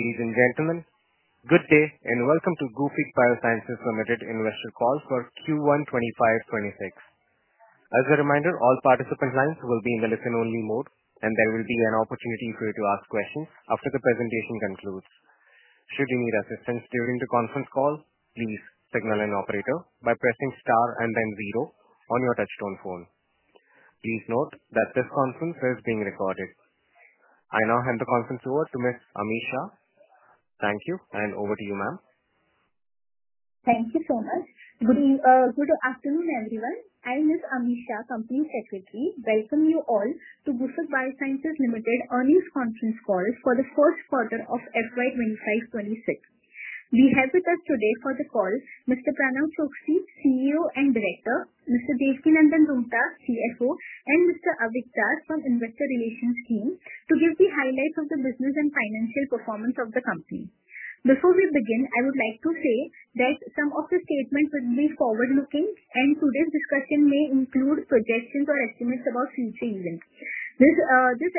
Ladies and gentlemen, good day and welcome to Gufic Biosciences Limited Investor Call for Q1 2025-2026. As a reminder, all participant lines will be in the listen-only mode, and there will be an opportunity for you to ask questions after the presentation concludes. Should you need assistance during the conference call, please signal an operator by pressing star and then zero on your touch-tone phone. Please note that this conference is being recorded. I now hand the conference over to Ms. Ami Shah. Thank you, and over to you, ma'am. Thank you so much. Good afternoon, everyone. I'm Ms. Ami Shah, Company Secretary. Welcome you all to Gufic Biosciences Limited's earnings conference call for the fourth quarter of FY 2025-2026. We have with us today for the call Mr. Pranav Choksi, CEO and Director, Mr. Devkinandan Roonghta, CFO, and Mr. Avik Das from the Investor Relations Team, to give the highlights of the business and financial performance of the company. Before we begin, I would like to say that some of the statements will be forward-looking, and today's discussion may include projections or estimates about future events. These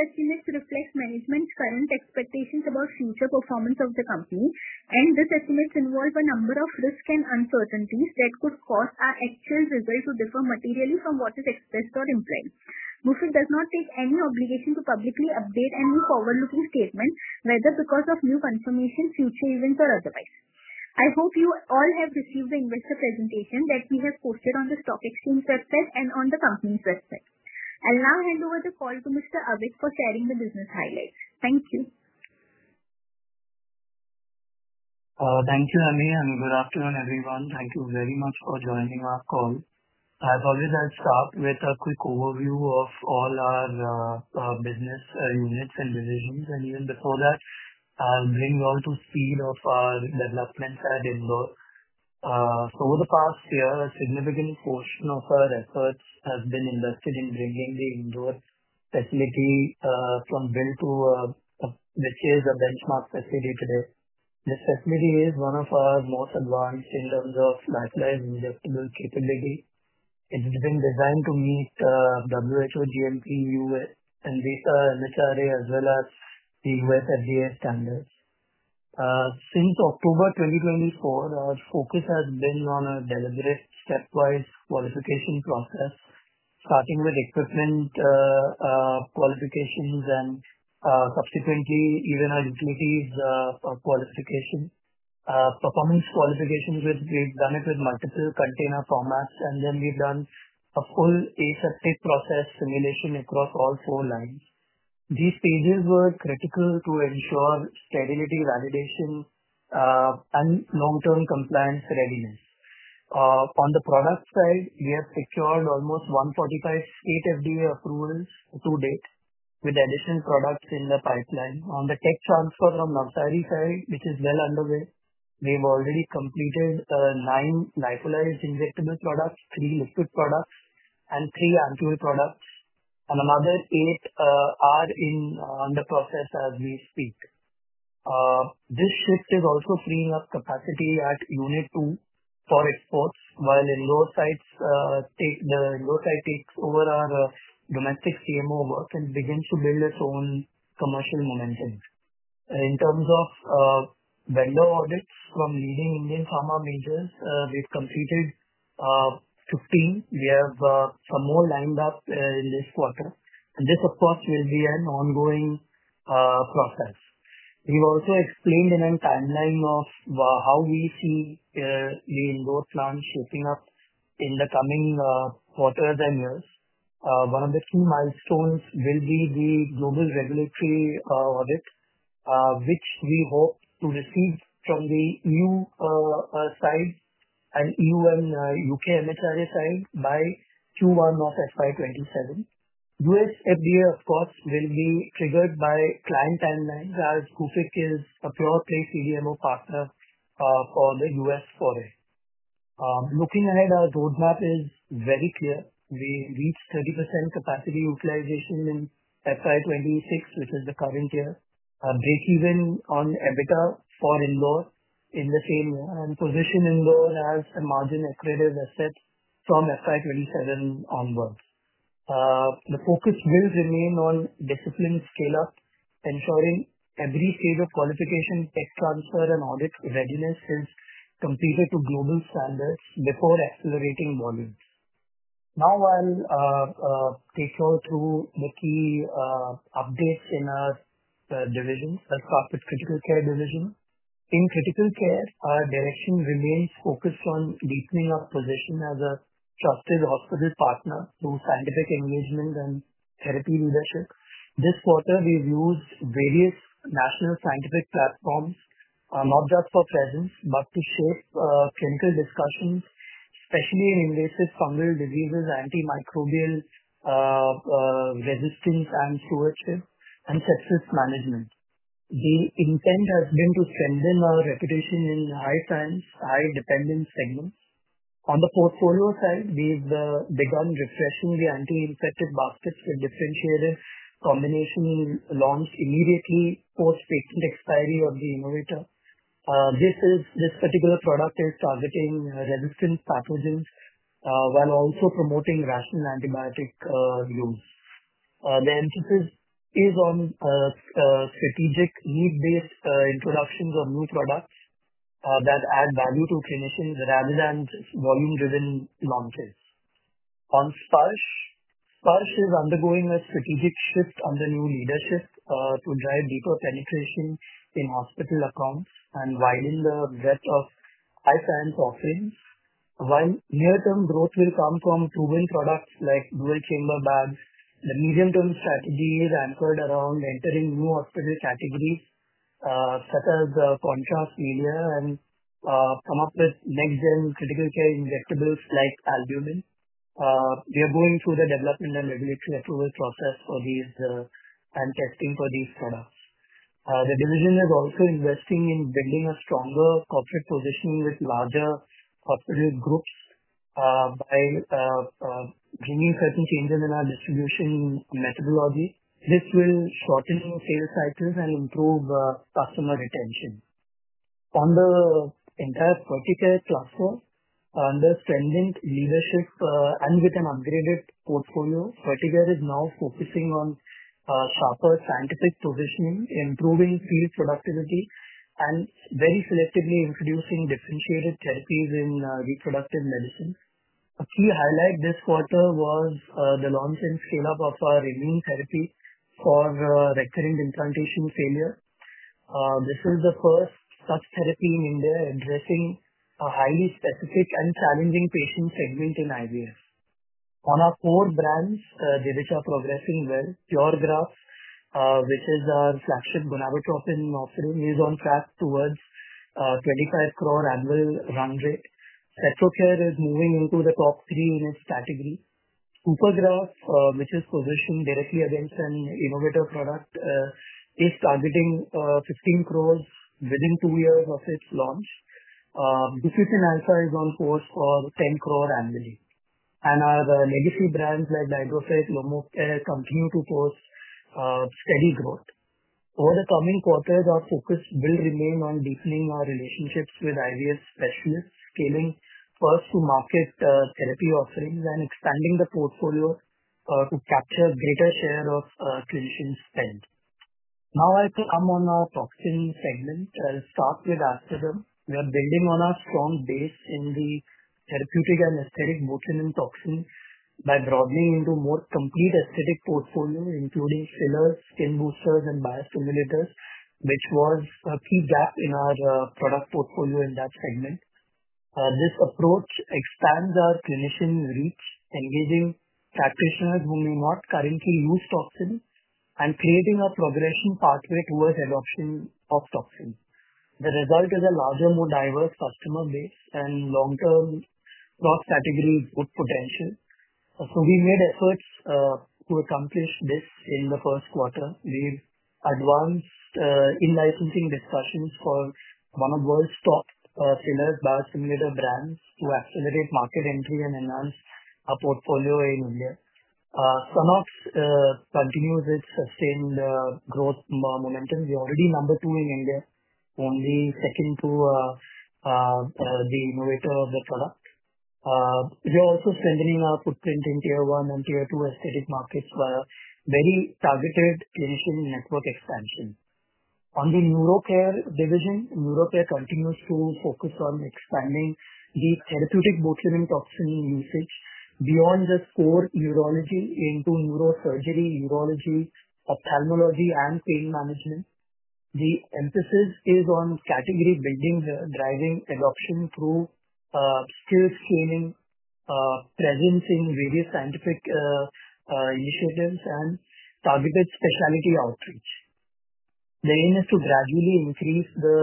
estimates reflect management's current expectations about the future performance of the company, and these estimates involve a number of risks and uncertainties that could cause our actual results to differ materially from what is expressed or implied. Gufic does not take any obligation to publicly update any forward-looking statements, whether because of new information, future events, or otherwise. I hope you all have received the investor presentation that we have posted on the Stock Exchange website and on the company's website. I'll now hand over the call to Mr. Avik for sharing the business highlights. Thank you. Thank you, Ami, and good afternoon, everyone. Thank you very much for joining our call. I've already started with a quick overview of all our business units and divisions, and even before that, I'll bring you all to see our developments at Indore. Over the past year, a significant portion of our efforts has been invested in bringing the Indore facility from build to this year's benchmark facility today. This facility is one of our most advanced in terms of lyophilized injectable capability. It's been designed to meet WHO, GMP, EU, ANVISA and MHRA, as well as the US FDA standards. Since October 2024, our focus has been on our delivery stepwise qualification process, starting with equipment qualifications and, subsequently, even our utilities qualification, performance qualifications with multiple container formats. We've done a full aseptic process simulation across all four lines. These stages were critical to ensure sterility validation and long-term compliance readiness. On the product side, we have secured almost 145 state FDA approvals to date with additional products in the pipeline. On the tech transfer from Navsari side, which is well underway, we've already completed nine lyophilized injectable products, three liquid products, and three antimicrobial products. Another eight are in the process as we speak. This shift is also freeing up capacity at unit two for exports, while the Indore site takes over our domestic CMO work and begins to build its own commercial momentum. In terms of vendor audits from leading Indian pharma majors, we've completed 15. We have some more lined up in this quarter. This, of course, will be an ongoing process. We've also explained in a timeline of how we see the Indore plant shaping up in the coming quarters and years. One of the key milestones will be the global regulatory audit, which we hope to receive from the EU sides and EU and UK MHRA sides by Q1 of FY 2027. US FDA, of course, will be triggered by client timelines as Gufic is a proud CDMO partner for the US foray. Looking ahead, our roadmap is very clear. We reached 30% capacity utilization in FY 2026, which is the current year. A breakeven on EBITDA for Indore in the same position. Indore has a margin equator asset from FY 2027 onwards. The focus will remain on discipline scale-up, ensuring every stage of qualification, tech transfer, and audit readiness is completed to global standards before accelerating volumes. Now I'll take you all through the key updates in our divisions, our corporate Critical Care division. In Critical Care, our direction remains focused on deepening our position as a trusted hospital partner through scientific engagement and therapy leadership. This quarter, we've used various national scientific platforms, not just for presence, but to shape clinical discussions, especially in invasive fungal diseases, antimicrobial resistance, and sepsis management. The intent has been to strengthen our reputation in the high science, high dependence segment. On the portfolio side, we've begun refreshing the anti-infective baskets with differentiated combination launched immediately post patent expiry of the innovator. This particular product is targeting resistant pathogens, while also promoting rational antibiotic use. The emphasis is on strategic lead-based introductions of new products that add value to clinicians rather than volume-driven launches. On Sparsh, Sparsh is undergoing a strategic shift under the new leadership to drive deeper penetration in hospital accounts and widen the breadth of high science offerings. While near-term growth will come from proven products like dual chamber bags, the medium-term strategy is anchored around entering new hospital categories, such as contrast media, and coming up with next-generation Critical Care injectables like albumin. We are going through the development and regulatory approval process for these, and testing for these products. The division is also investing in building a stronger corporate positioning with larger corporate groups by bringing certain changes in our distribution methodology. This will shorten sales cycles and improve customer retention. On the entire Ferticare Cluster, under strengthened leadership and with an upgraded portfolio, Ferticare is now focusing on proper scientific positioning, improving seed productivity, and very selectively introducing differentiated therapies in reproductive medicine. A key highlight this quarter was the launch and scale-up of our immune therapy for recurrent implantation failure. This is the first such therapy in India addressing a highly specific and challenging patient segment in IVF. On our core brands, they are progressing well. Puregraf, which is our classic gonadotropin offering, is on track towards an 25 crores annual run rate. Cetrocare is moving into the top three in its category. Supergraf, which is positioned directly against an innovator product, is targeting 150 crores within two years of its launch. Guficin Alpha is on course for 10 crores annually. Our legacy brands like Dydrofic and Lomocare continue to post steady growth. Over the coming quarters, our focus will remain on deepening our relationships with IVF specialists, scaling first-to-market therapy offerings, and expanding the portfolio to capture a greater share of clinicians' spend. Now I'll come on our toxin segment. I'll start with Aesthaderm. We are building on our strong base in the therapeutic and aesthetic botulinum toxin by broadening into a more complete aesthetic portfolio, including fillers, skin boosters, and biostimulators, which was a key gap in our product portfolio in that segment. This approach expands our clinician reach, engaging practitioners who may not currently use toxins and creating a progressive pathway towards adoption of toxins. The result is a larger, more diverse customer base and long-term product category growth potential. We made efforts to accomplish this in the first quarter. We've advanced in licensing discussions for one of the world's top fillers and biostimulator brands to accelerate market entry and enhance our portfolio in India. Stunnox continues its sustained growth momentum. We're already number two in India, only second to the innovator of the product. We are also strengthening our footprint in Tier 1 and Tier 2 aesthetic markets for a very targeted clinician network expansion. On the neurocare division, neurocare continues to focus on expanding the therapeutic botulinum toxin usage beyond the core urology into neurosurgery, urology, ophthalmology, and pain management. The emphasis is on category building, driving adoption through still scaling presence in various scientific initiatives and targeted specialty outreach. The aim is to gradually increase the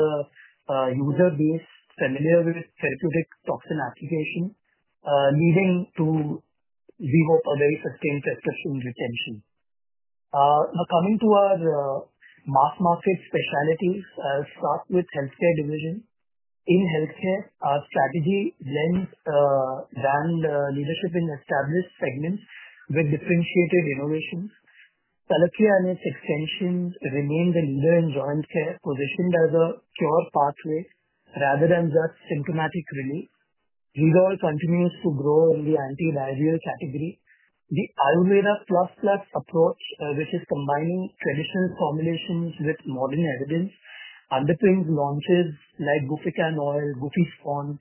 user base familiar with therapeutic toxin application, leading to, we hope, a very sustained prescription retention. Now coming to our mass market specialties, I'll start with the healthcare division. In healthcare, our strategy blends the leadership in established segments with differentiated innovations. Sallaki and its extensions remain the leader in joint care, positioned as a pure pathway rather than just symptomatic relief. We all continue to grow in the antidiarrheal category. The Ayurveda++ approach, which is combining traditional formulations with modern evidence, underpins launches like Gufican Oil, Gufispon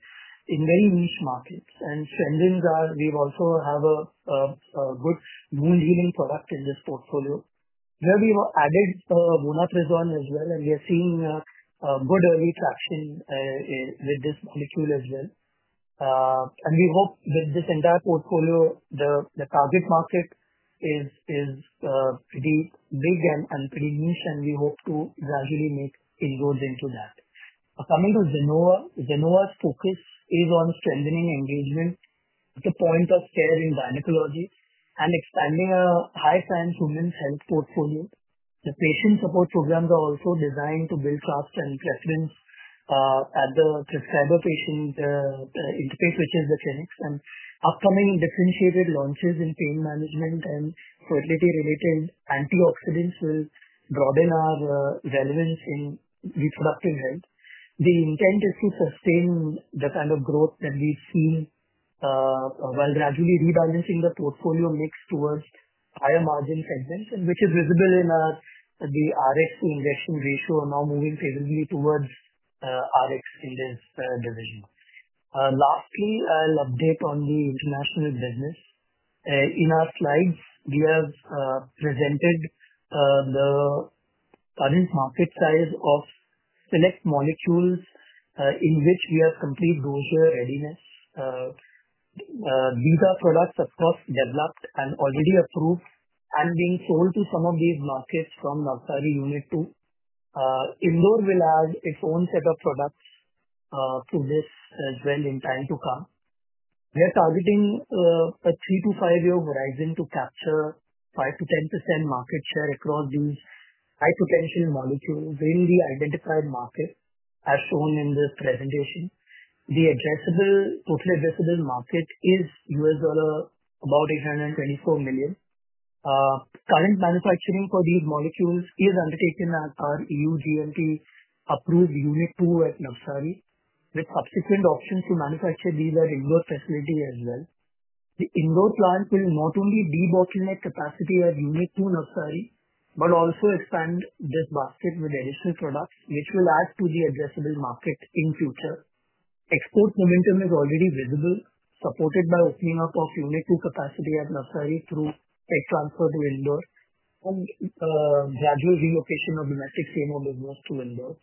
in very niche markets. In [Shendan's], we also have a good wound healing product in this portfolio. Here we've added vonoprazan as well, and we are seeing good early traction with this molecule as well. We hope with this entire portfolio, the target market is pretty big and pretty niche, and we hope to gradually make inroads into that. Coming to Zenova, Zenova's focus is on strengthening engagement at the point of care in gynecology and expanding a high science women's health portfolio. The patient support programs are also designed to build trust in the prescriber-patient interface, which is the clinics. Upcoming differentiated launches in pain management and fertility-related antioxidants will broaden our relevance in reproductive health. The intent is to sustain the kind of growth that we've seen, while gradually rebalancing the portfolio mix towards higher margin segments, which is visible in our Rx-to-injections ratio now moving favorably towards Rx in this division. Lastly, I'll update on the international business. In our slides, we have presented the current market size of select molecules in which we have complete dose readiness. These are products, of course, developed and already approved and being sold to some of these markets from Navsari Unit 2. Indore will add its own set of products to this as well in time to come. We are targeting a three to five-year horizon to capture 5%-10% market share across these high-potential molecules in the identified market, as shown in the presentation. The total addressable market is about $824 million. Current manufacturing for these molecules is undertaken at our EU GMP-approved Unit 2 at Navsari, with subsequent options to manufacture these at Indore facility as well. The Indore plant will not only de-boxyloid capacity at Unit 2 Navsari, but also expand this basket with additional products, which will add to the addressable market in the future. Export momentum is already visible, supported by opening up of Unit 2 capacity at Navsari through tech transfer to Indore, and gradual relocation of domestic CMO business to Indore.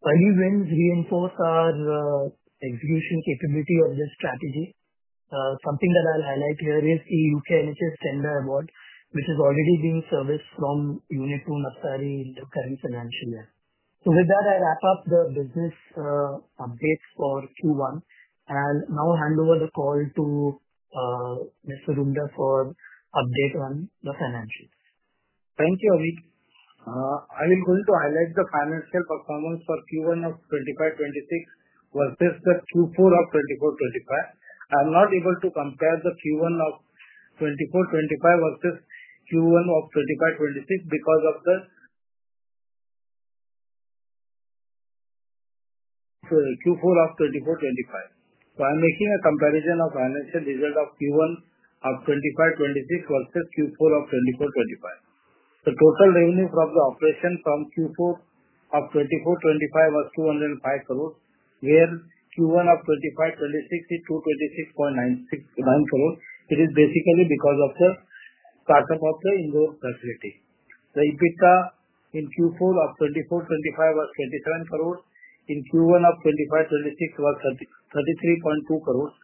Early wins reinforce our execution capability of this strategy. Something that I'll highlight here is the U.K. NHS tender award, which has already been serviced from Unit 2 Navsari in the current financial year. With that, I wrap up the business updates for Q1 and now hand over the call to Mr. Roonghta for update on the financials. Thank you, Avik. I am going to highlight the financial performance for Q1 of 2025-2026 versus Q4 of 2024-2025. I'm not able to compare the Q1 of 2024-2025 versus Q1 of 2025-2026 because of the, sorry, Q4 of 2024-2025. I'm making a comparison of financial results of Q1 of 2025-2026 versus Q4 of 2024-2025. The total revenue from the operation from Q4 of 2024-2025 was 205 crore. Q1 of 2025-2026 is 226.96 crore. It is basically because of the startup of the Indore facility. The EBITDA in Q4 of 2024-2025 was 27 crore. In Q1 of 2025-2026 was 33.2 crore.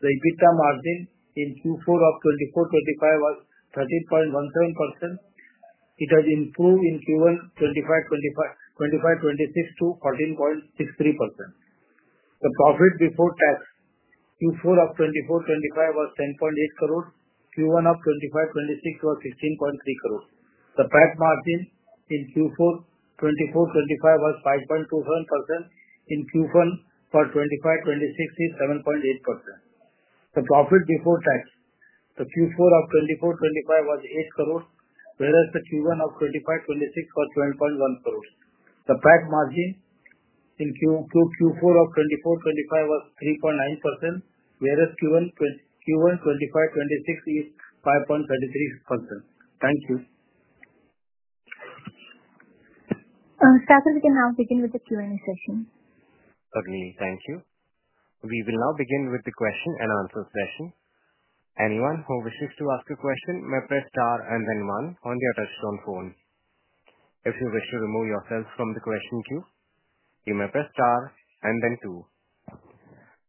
The EBITDA margin in Q4 of 2024-2025 was 30.13%. It has improved in Q1 2025-2026 to 14.63%. The profit before tax Q4 of 2024-2025 was 10.8 crore. Q1 of 2025-2026 was 16.3 crore. The price margin in Q4 2024-2025 was 5.21%. In Q1 for 2025-2026 is 7.8%. The profit before tax, the Q4 of 2024-2025 was 8 crore, whereas the Q1 of 2025-2026 was 12.1 crore. The price margin in Q4 of 2024-2025 was 3.9%, whereas Q1 2025-2026 is 5.33%. Thank you. Staff, if we can now begin with the Q&A session. Agreed. Thank you. We will now begin with the question and answer session. Anyone who wishes to ask a question may press star and then one on their touch-tone phone. If you wish to remove yourself from the question queue, you may press star and then two.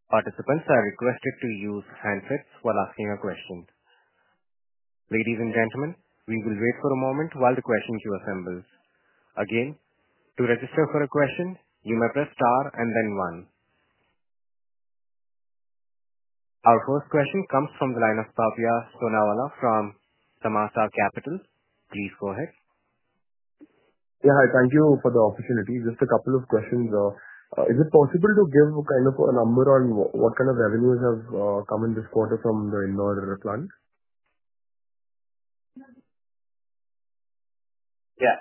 Participants are requested to use handsets while asking a question. Ladies and gentlemen, we will wait for a moment while the question queue assembles. Again, to register for a question, you may press star and then one. Our first question comes from the line of Bhavya Sonawala from Samaasa Capitals. Please go ahead. Yeah, hi. Thank you for the opportunity. Just a couple of questions. Is it possible to give kind of a number on what kind of revenues have come in this quarter from the Indore plant? Yeah.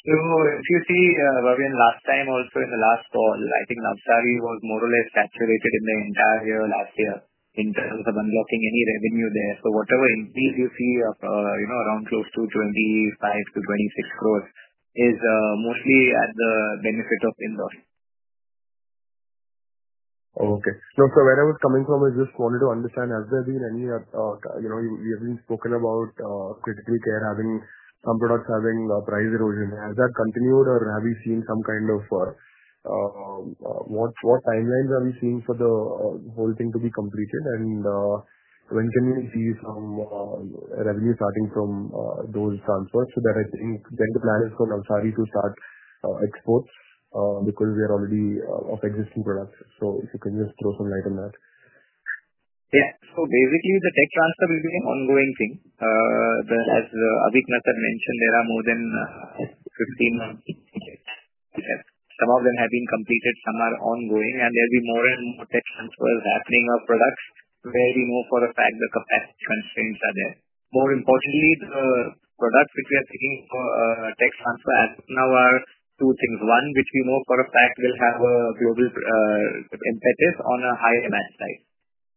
If you see, again, last time also in the last call, I think Navsari was more or less saturated in the entire year last year in terms of unblocking any revenue there. Whatever increase you see around close to 25 crore-26 crore is mostly at the benefit of Indore. Okay. Where I was coming from is just wanted to understand, has there been any, you know, you've been spoken about Critical Care having some products having price erosion. Has that continued or have we seen some kind of, what timelines have we seen for the whole thing to be completed, and when can we see some revenue starting from those transfers? I think the plan is for Navsari to start exports because we are already up existing products. If you can just throw some light on that. Yeah. Basically, the tech transfer will be an ongoing thing. As Avik had mentioned, there are more than 15 markets here. Some of them have been completed, some are ongoing, and there will be more and more tech transfers happening of products where we know for a fact the competitive constraints are there. More importantly, the products which we are seeking for tech transfer as of now are two things. One, which we know for a fact will have a global emphasis on a higher batch size.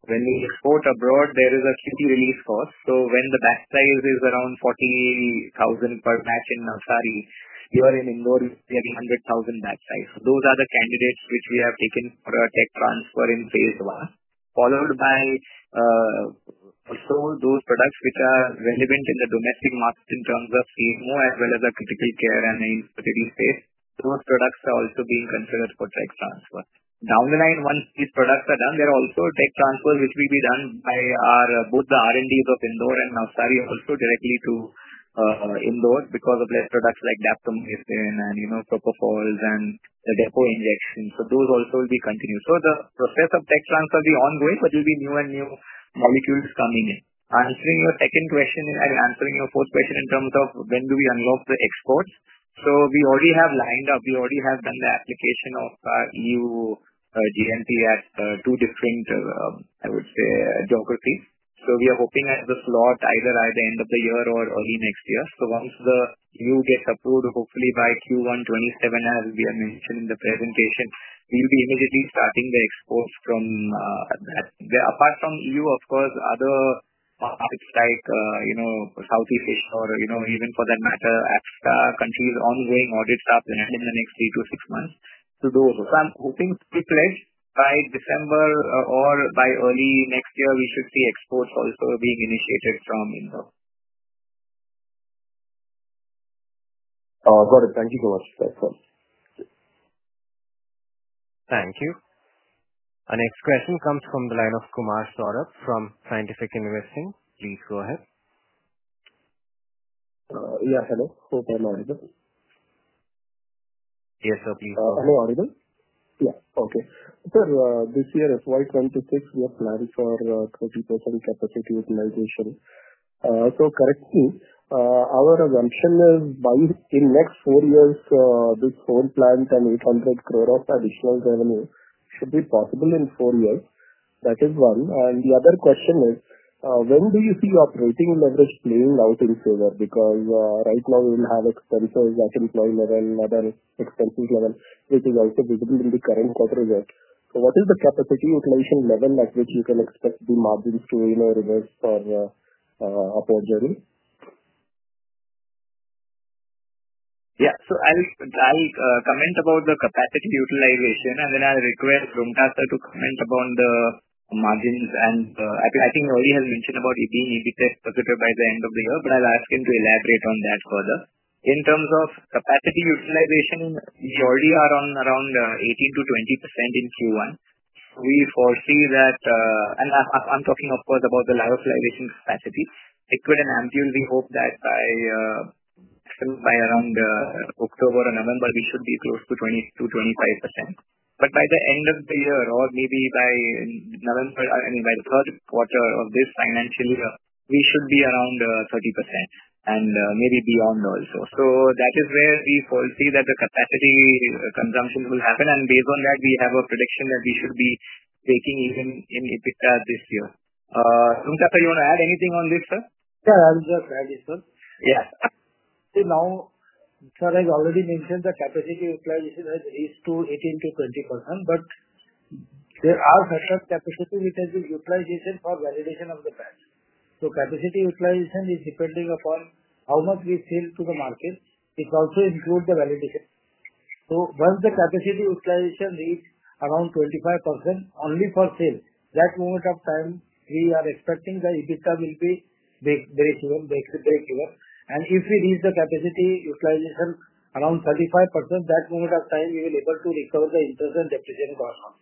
When we export abroad, there is a QP release cost. When the batch size is around 40,000 per batch in Navsari, you are in Indore, you're getting 100,000 batch size. Those are the candidates which we have taken for our tech transfer in phase I, followed by those products which are relevant in the domestic market in terms of CMO as well as a Critical Care and a critical space. Those products are also being considered for tech transfer. Down the line, once the products are done, there are also tech transfers which will be done by both the R&Ds of Indore and Navsari also directly to Indore because of less products like daptomycin and, you know, propofols and the depo injections. Those also will be continued. The process of tech transfer will be ongoing, but there will be new and new molecules coming in. Answering your second question and answering your fourth question in terms of when do we unblock the exports, we already have lined up. We already have done the application of our EU GMP as two different, I would say, geographies. We are hoping at the slot either by the end of the year or early next year. Once the EU gets approved, hopefully by Q1 2027, as we have mentioned in the presentation, we'll be immediately starting the exports from that. Apart from EU, of course, other markets like, you know, Southeast Asia or, you know, even for that matter, Africa countries' ongoing audits start in the next three to six months. I'm hoping strictly by December or by early next year, we should see exports also being initiated from Indore. Got it. Thank you very much. Thank you. Our next question comes from the line of Kumar Saurabh from Scientific Investing. Please go ahead. Yes, hello. Hope I'm audible. Yes, sir, please go ahead. Hello? Audible? Yeah. Okay. Sir, this year as well, 2026, we have planned for 20% capacity utilization. Correct me, our assumption is in the next four years, this whole plant and 800 crore of additional revenue would be possible in four years. That is one. The other question is, when do you see operating leverage playing out in favor? Because right now we don't have expenses at employment level and other expenses level. It is also visible in the current quarter as well. What is the capacity utilization level at which you can expect the margins to reverse or apogee? Yeah. I'll comment about the capacity utilization, and then I'll request Roonghta to comment upon the margins. I think he already has mentioned about being EBITDA per capita by the end of the year, but I'll ask him to elaborate on that further. In terms of capacity utilization, we already are around 18%-20% in Q1. We foresee that, and I'm talking, of course, about the level of utilization capacity. Liquid and antimicrobial, we hope that by spring, by around October or November, we should be close to 20%-25%. By the end of the year or maybe by November and the third quarter of this financial year, we should be around 30% and maybe beyond also. That is where we foresee that the capacity consumption will happen. Based on that, we have a prediction that we should be taking even in EBITDA this year. Roonghta, you want to add anything on this, sir? Yeah, I'm just adding, sir. Yes. Up to now, I has already mentioned that capacity utilization is to 18%-20%, but there are factors of capacity which has been utilization for validation of the price. Capacity utilization is depending upon how much we sell to the market. It also includes the validation. Once the capacity utilization reaches around 25% only for sales, at that moment of time, we are expecting the EBITDA will be very very low. If we reach the capacity utilization around 35%, at that moment of time, we will be able to recover the interest and deficiency cost.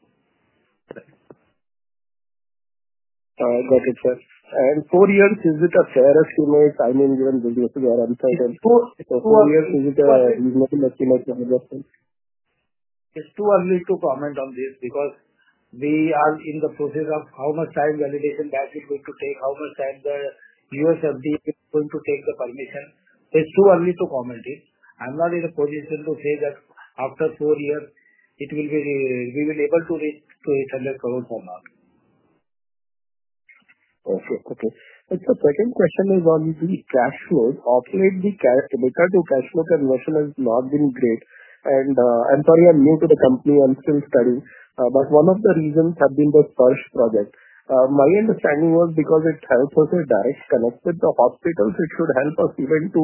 Got it, sir. Four years, is it a fair estimate? I mean, given that you are uncertain, four years, is it a reasonable estimate? It's too early to comment on this because we are in the process of how much time validation batch is going to take, how much time the U.S. FDA is going to take the permission. It's too early to comment. I'm not in a position to say that after four years, we will be able to reach INR 800 crore per month. Okay. The second question is on the cash flows. Ultimately, the cash flow to cash flow conversion has not been great. I'm sorry, I'm new to the company. I'm still studying. One of the reasons has been the first project. My understanding was because it helps us with direct connected to hospitals, it should help us even to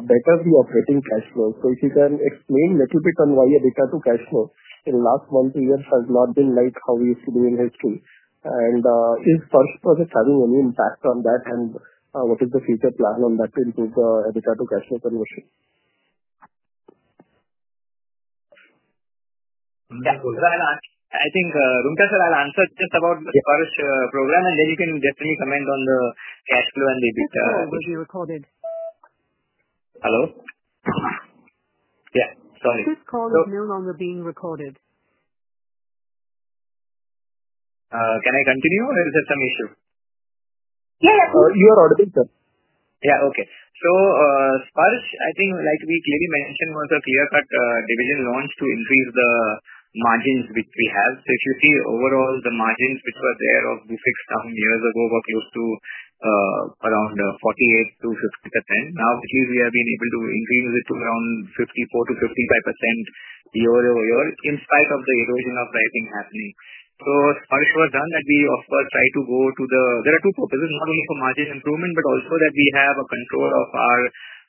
better the operating cash flow. If you can explain a little bit on why EBITDA to cash flow in the last years has not been like how we used to do in history? Is first project having any impact on that? What is the future plan on that to improve EBITDA to cash flow conversion? I think, Roonghta, I'll answer just about the Sparsh program, and then you can definitely comment on the cash flow and EBITDA. Call will be recorded. Hello, yeah, sorry. This call is no longer being recorded. Can I continue, or is there some issue? You are audible, sir. Yeah, okay. Sparsh, I think, like we clearly mentioned, was a clear-cut division launch to increase the margins which we have. If you see overall, the margins which were there of the 6,000 years ago were close to around 48%-50%. Now, at least we have been able to increase it to around 54%-55% year-over-year in spite of the erosion of pricing happening. Sparsh was done that we, of course, try to go to the there are two purposes. It's not only for margin improvement, but also that we have a control of our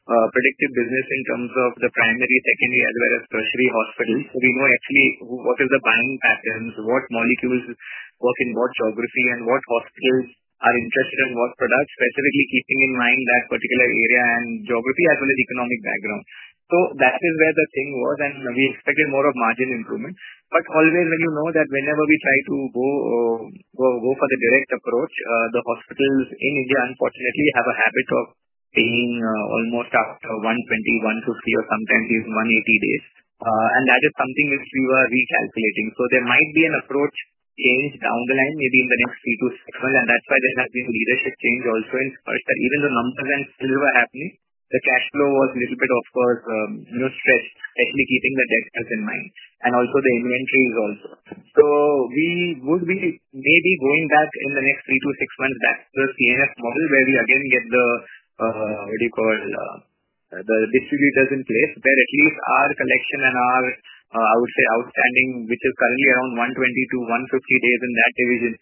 predictive business in terms of the primary, secondary, as well as tertiary hospitals. We know actually what is the buying patterns, what molecules work in what geography, and what hospitals are interested in what products, specifically keeping in mind that particular area and geography as well as economic background. That is where the thing was, and we expected more of margin improvement. As you know, whenever we try to go or go for the direct approach, the hospitals in India, unfortunately, have a habit of paying almost after 120, 150, or sometimes even 180 days. That is something which we were recalculating. There might be an approach change down the line, maybe in the next three to six months. That's why there has been a leadership change also in Sparsh that even though numbers and still were happening, the cash flow was a little bit, of course, stressed, especially keeping the textures in mind and also the inventories also. We would be maybe going back in the next three to six months back to the CNS model where we again get the, what do you call, the distributors in place where at least our collection and our, I would say, outstanding, which is currently around 120-150 days in that division,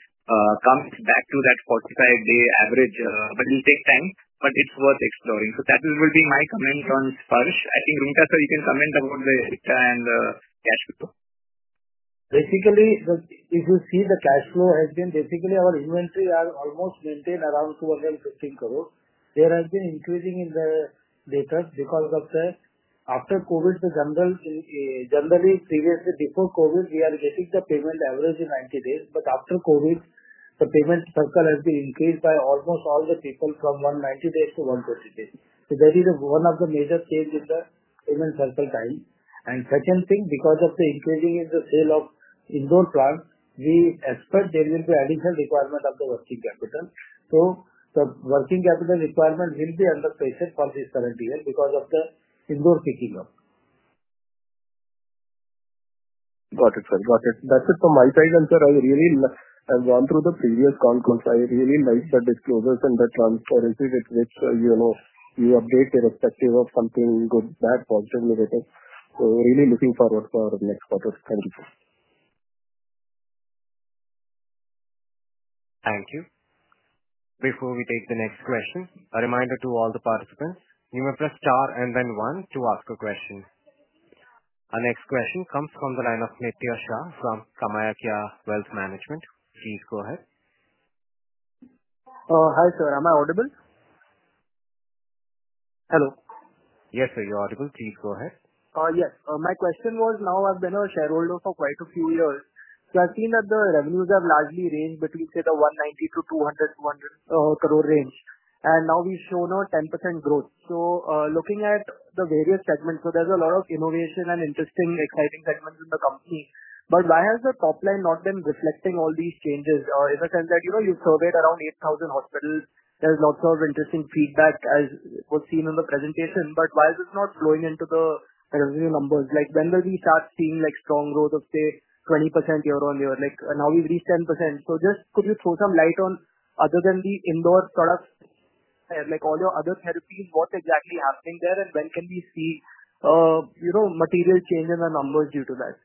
comes back to that 45-day average. It will take time, but it's worth exploring. That will be my comment on Sparsh. I think, Roonghta, you can comment about the EBITDA and the cash flow. Basically, if you see the cash flow has been basically our inventory has almost maintained around 215 crore. There has been increasing in the data because of the after COVID, the general generally previously before COVID, we are getting the payment average in 90 days. After COVID, the payment cycle has been increased by almost all the people from 90 days to 120 days. That is one of the major change in the payment cycle time. Second thing, because of the increasing in the sale of Indore plants, we expect there will be an additional requirement of the working capital. The working capital requirement will be under pressure from this current event because of the Indore picking up. Got it, sir. Okay. That's it from my side. Sir, I really have gone through the previous conference. I really like the disclosures and the transparency with which you know you update the perspective of something good, bad, positive, negative. Really looking forward to our next quarter. Thank you. Thank you. Before we take the next question, a reminder to all the participants, you may press star and then one to ask a question. Our next question comes from the line of Nitya Shah from KamayaKya Wealth Management. Please go ahead. Hi, sir. Am I audible? Hello? Yes, sir. You're audible. Please go ahead. Yes. My question was, now I've been a shareholder for quite a few years. I've seen that the revenues have largely ranged between, say, the 190 crore-200 crore range. Now we've shown a 10% growth. Looking at the various segments, there's a lot of innovation and interesting, exciting segments in the company. Why has the top line not been reflecting all these changes? Is it that you surveyed around 8,000 hospitals? There's lots of interesting feedback, as was seen in the presentation. Why is it not flowing into the revenue numbers? When are we first seeing strong growth of, say, 20% year on year? Now we've reached 10%. Could you throw some light on, other than the Indore products, all your other therapies, what's exactly happening there? When can we see material change in the numbers due to that?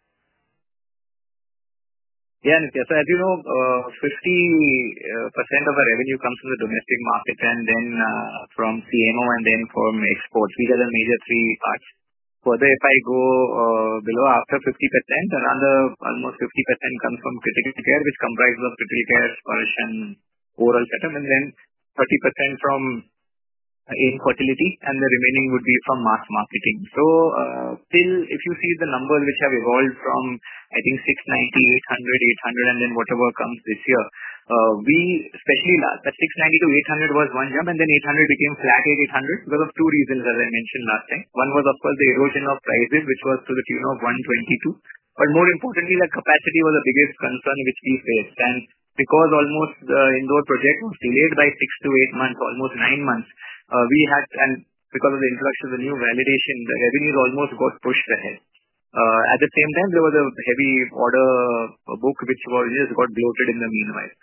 Yeah, Nitya sir, as you know, 50% of our revenue comes from the domestic market and then from CMO and then from exports. These are the major three parts. Further, if I go below after 50%, almost 50% comes from Critical Care, which comprises of Critical Care, Sparsh, and overall setup, and then 30% from infertility, and the remaining would be from mass marketing. If you see the numbers which have evolved from, I think, 690 crores, 800 crores, 800 crores, and then whatever comes this year, especially last that 690 crores to 800 crores was one jump, and then 800 crores became flagged at 800 crores because of two reasons, as I mentioned last time. One was, of course, the erosion of prices, which was to the tune of 120 crores to. More importantly, the capacity was the biggest concern which we faced. Because almost the Indore project was delayed by six to eight months, almost nine months, we had, because of the introduction of the new validation, the revenues almost got pushed ahead. At the same time, there was a heavy order book which just got bloated in the meanwhile.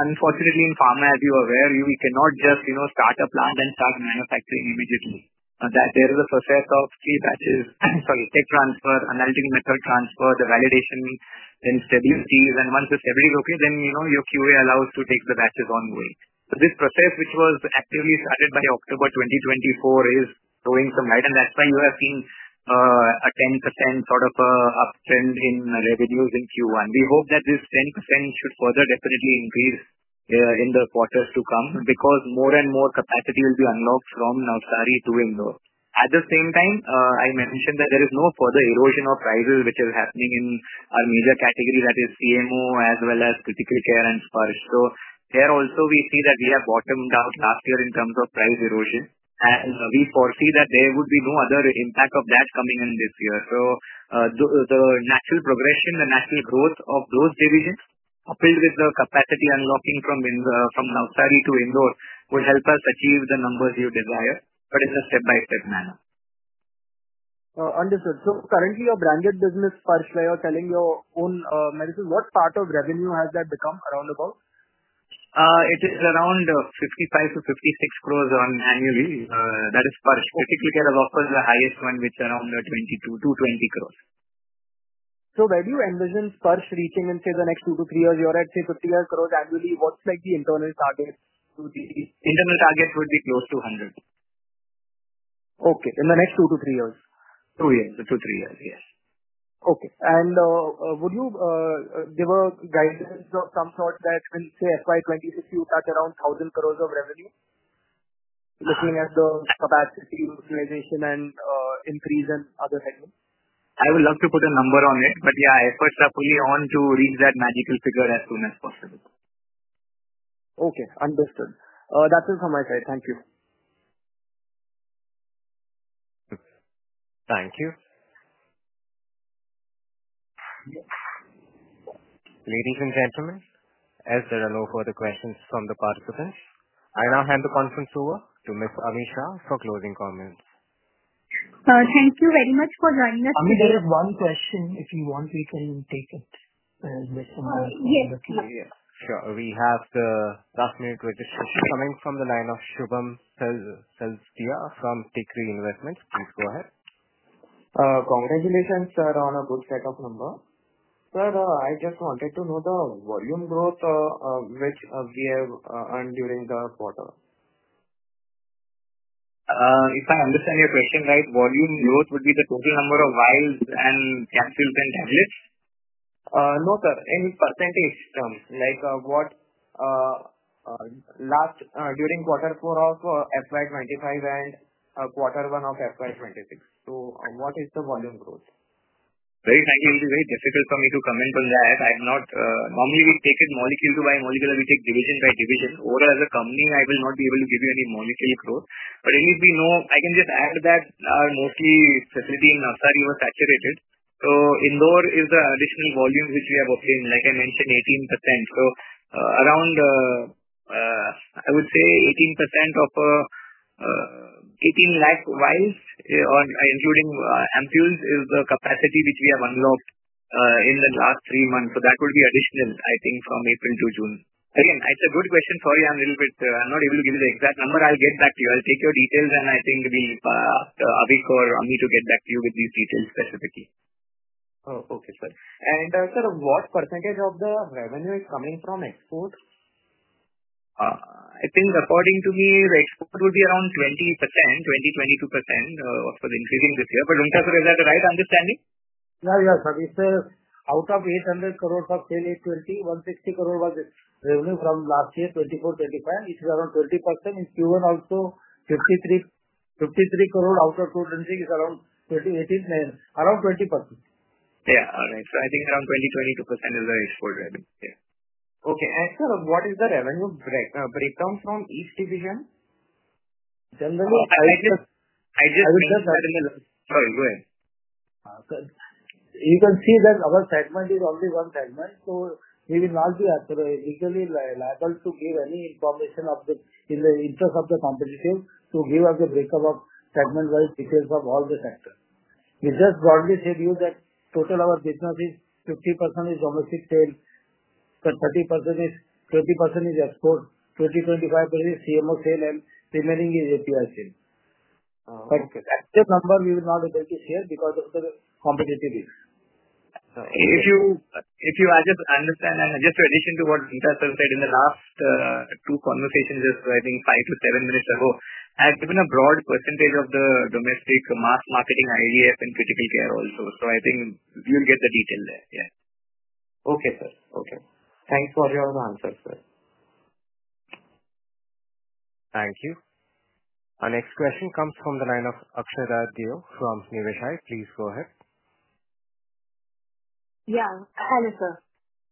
Unfortunately, in pharma, as you are aware, we cannot just start a plant and start manufacturing immediately. There is a process of three batches, tech transfer, analytical method transfer, the validation, then stabilities. Once the stability is okay, then you know your QA allows to take the batches ongoing. This process, which was actually started by October 2024, is showing some light. That's why you have seen a 10% sort of an uptrend in revenues in Q1. We hope that this 10% should further definitely increase in the quarters to come because more and more capacity will be unlocked from Navsari to Indore. At the same time, I mentioned that there is no further erosion of prices which is happening in our major category, that is CMO as well as Critical Care and Sparsh. There also we see that we have bottomed out last year in terms of price erosion. We foresee that there would be no other impact of that coming in this year. The natural progression, the natural growth of those divisions coupled with the capacity unlocking from Navsari to Indore would help us achieve the numbers you desire, but in a step-by-step manner. Understood. Currently, your branded business, Sparsh, where you're selling your own medicine, what part of revenue has that become around about? It is around 55 crores-56 crores annually. That is Sparsh. Critical Care is also the highest one, which is around 22 crore-20 crore. Where do you envision Sparsh reaching in, say, the next two to three years? You're at, say, 50-odd crores annually. What's like the internal target? Internal target would be close to 100 crores. Okay, in the next two to three years? Two to three years, yes. Okay. Would you give a guess from thought that, say, FY 2026, you've got around 1,000 crore of revenue looking at the capacity utilization and increase and other headroom? I would love to put a number on it, but yeah, efforts are putting on to reach that magical figure as soon as possible. Okay. Understood. That's it from my side. Thank you. Thank you. Anything from the information? As there are no further questions from the participants, I now hand the conference over to Ms. Ami Shah for closing comments. Sir, thank you very much for joining us. Ami, I have one question. If you want, we can take it. Sure. We have the last-minute registration coming from the line of Shubham Selvadia from Tikri Investments. Please go ahead. Congratulations, sir, on a good checkup number. Sir, I just wanted to know the volume growth which we have earned during the quarter. If I understand your question right, volume growth would be the total number of vials and capsules and tablets? No, sir. In percentage terms, like what last during quarter four of FY 2025 and quarter one of FY 2026. What is the volume growth? Sorry. It will be very difficult for me to comment on that. Normally, we've taken molecule by molecule. We take division by division. Overall, as a company, I will not be able to give you any molecule growth. Anyway, I can just add that our mostly facility in Navsari was saturated. Indore is the additional volume which we have obtained, like I mentioned, 18%. Around, I would say, 18% of 18,000 vials, including ampoules, is the capacity which we have unblocked in the last three months. That would be additional, I think, from April to June. Again, it's a good question. Sorry, I'm not able to give you the exact number. I'll get back to you. I'll take your details, and I think it'll be for me to get back to you with these details specifically. Okay. Sure. In terms of what percentage of the revenue is coming from export? I think according to me, export would be around 20%, 20%-22% of the increasing this year. Roonghta, is that the right understanding? Yeah, yeah. If out of 800 crore of sale, 820 crore, 160 crore was revenue from last year's 2024-2025, which is around 20%. In Q1, also 53 crore out of total is around 20%. Yeah, right. I think around 20%-22% is the export revenue. Okay. Sir, what is the revenue breakdown? It comes from each division? I just put the. Sorry, go ahead. You can see that our segment is only one segment. We will not be actually liable to give any information in the interest of the competitor to give us the breakup of segment-wise details of all the sectors. It's just broadly said to you that total our business is 50% is domestic sale, 20% is export, 20%-25% is CMO sale, and remaining is API sale. Okay. The number we will not be able to share because of the competitive issue. If you just understand and just in addition to what Roonghta said in the last two conversations just right five to seven minutes ago, I've given a broad percentage of the domestic mass marketing IVF and Critical Care also. I think you'll get the detail there. Yeah. Okay, sir. Okay. Thanks for your answers, sir. Thank you. Our next question comes from the line of Akshada Deo from Niveshaay. Please go ahead. Hello, sir.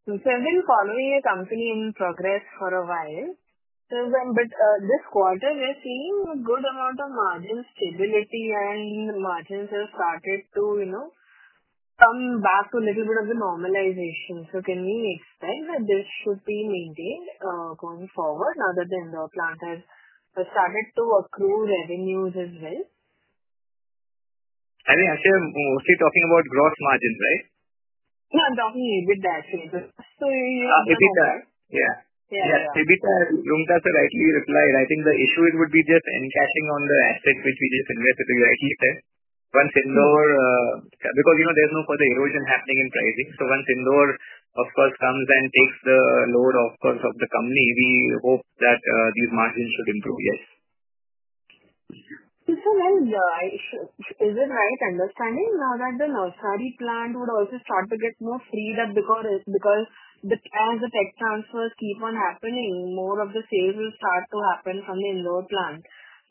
Sir, we've been following your company in progress for a while. This quarter, we're seeing a good amount of margin stability, and margins have started to come back to a little bit of the normalization. Can we expect that this would be maintained going forward now that the Indore plant has started to accrue revenues as well? I mean, as you're mostly talking about gross margins, right? No, I'm talking EBITDA actually. EBITDA. Yeah. Yeah. Yeah. Roonghta rightly replied. I think the issue would be just encapsulating on the asset which we just suggested, you rightly said. Once Indore, because you know there's no further erosion happening in pricing. Once Indore, of course, comes and takes the load off of the company, we hope that these margins should improve. Yes. Is it right understanding now that the Navsari plant would also start to get more sales because the tech transfers keep on happening? More of the sales will start to happen from the Indore plant.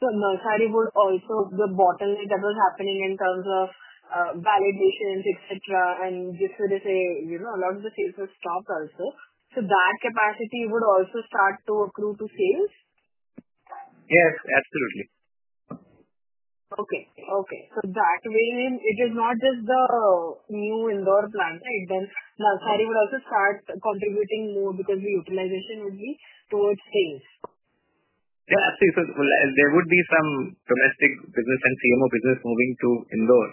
Navsari would also be bottlenecked that was happening in terms of validations, etc. If we just say, you know, a lot of the sales will stop also. That capacity would also start to accrue to sales? Yes, absolutely. Okay. Okay. That way, it is not just the new Indore plant. Navsari would also start contributing more because the utilization would be towards sales. Yeah, I think so. There would be some domestic business and CMO business moving to Indore,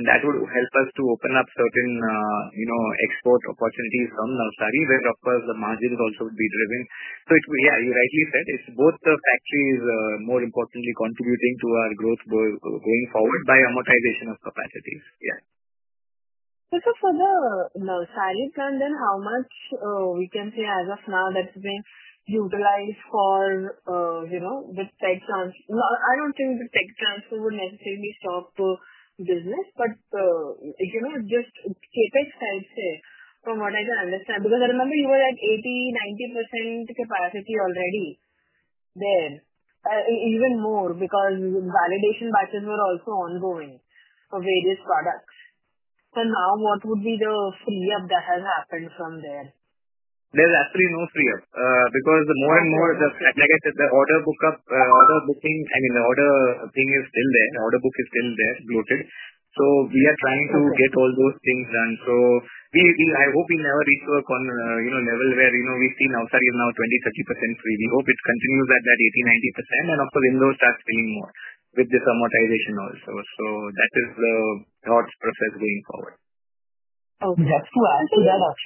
and that would help us to open up certain, you know, export opportunities from Navsari, where, of course, the margins also would be driven. It would, yeah, you rightly said, it's both the factories, more importantly, contributing to our growth going forward by amortization of capacities. Yeah. For the Navsari plant, how much we can see as of now that's being utilized for the tech transfers? I don't think the tech transfers will necessarily stop the business, but if you know, just keep it healthy from what I can understand. I remember you had like 80%-90% capacity already there, even more because validation batches were also ongoing for various products. Now what would be the free up that has happened from there? There's actually no free up because the more and more, just like I said, the order booking, I mean, the order thing is still there. The order book is still there, bloated. We are trying to get all those things done. I hope we never reach a level where, you know, we've seen Navsari is now 20, 30% free. We hope it continues at that 80, 90%. Of course, Indore starts paying more with this amortization also. That is the thought process going forward. Okay. Just to answer that, as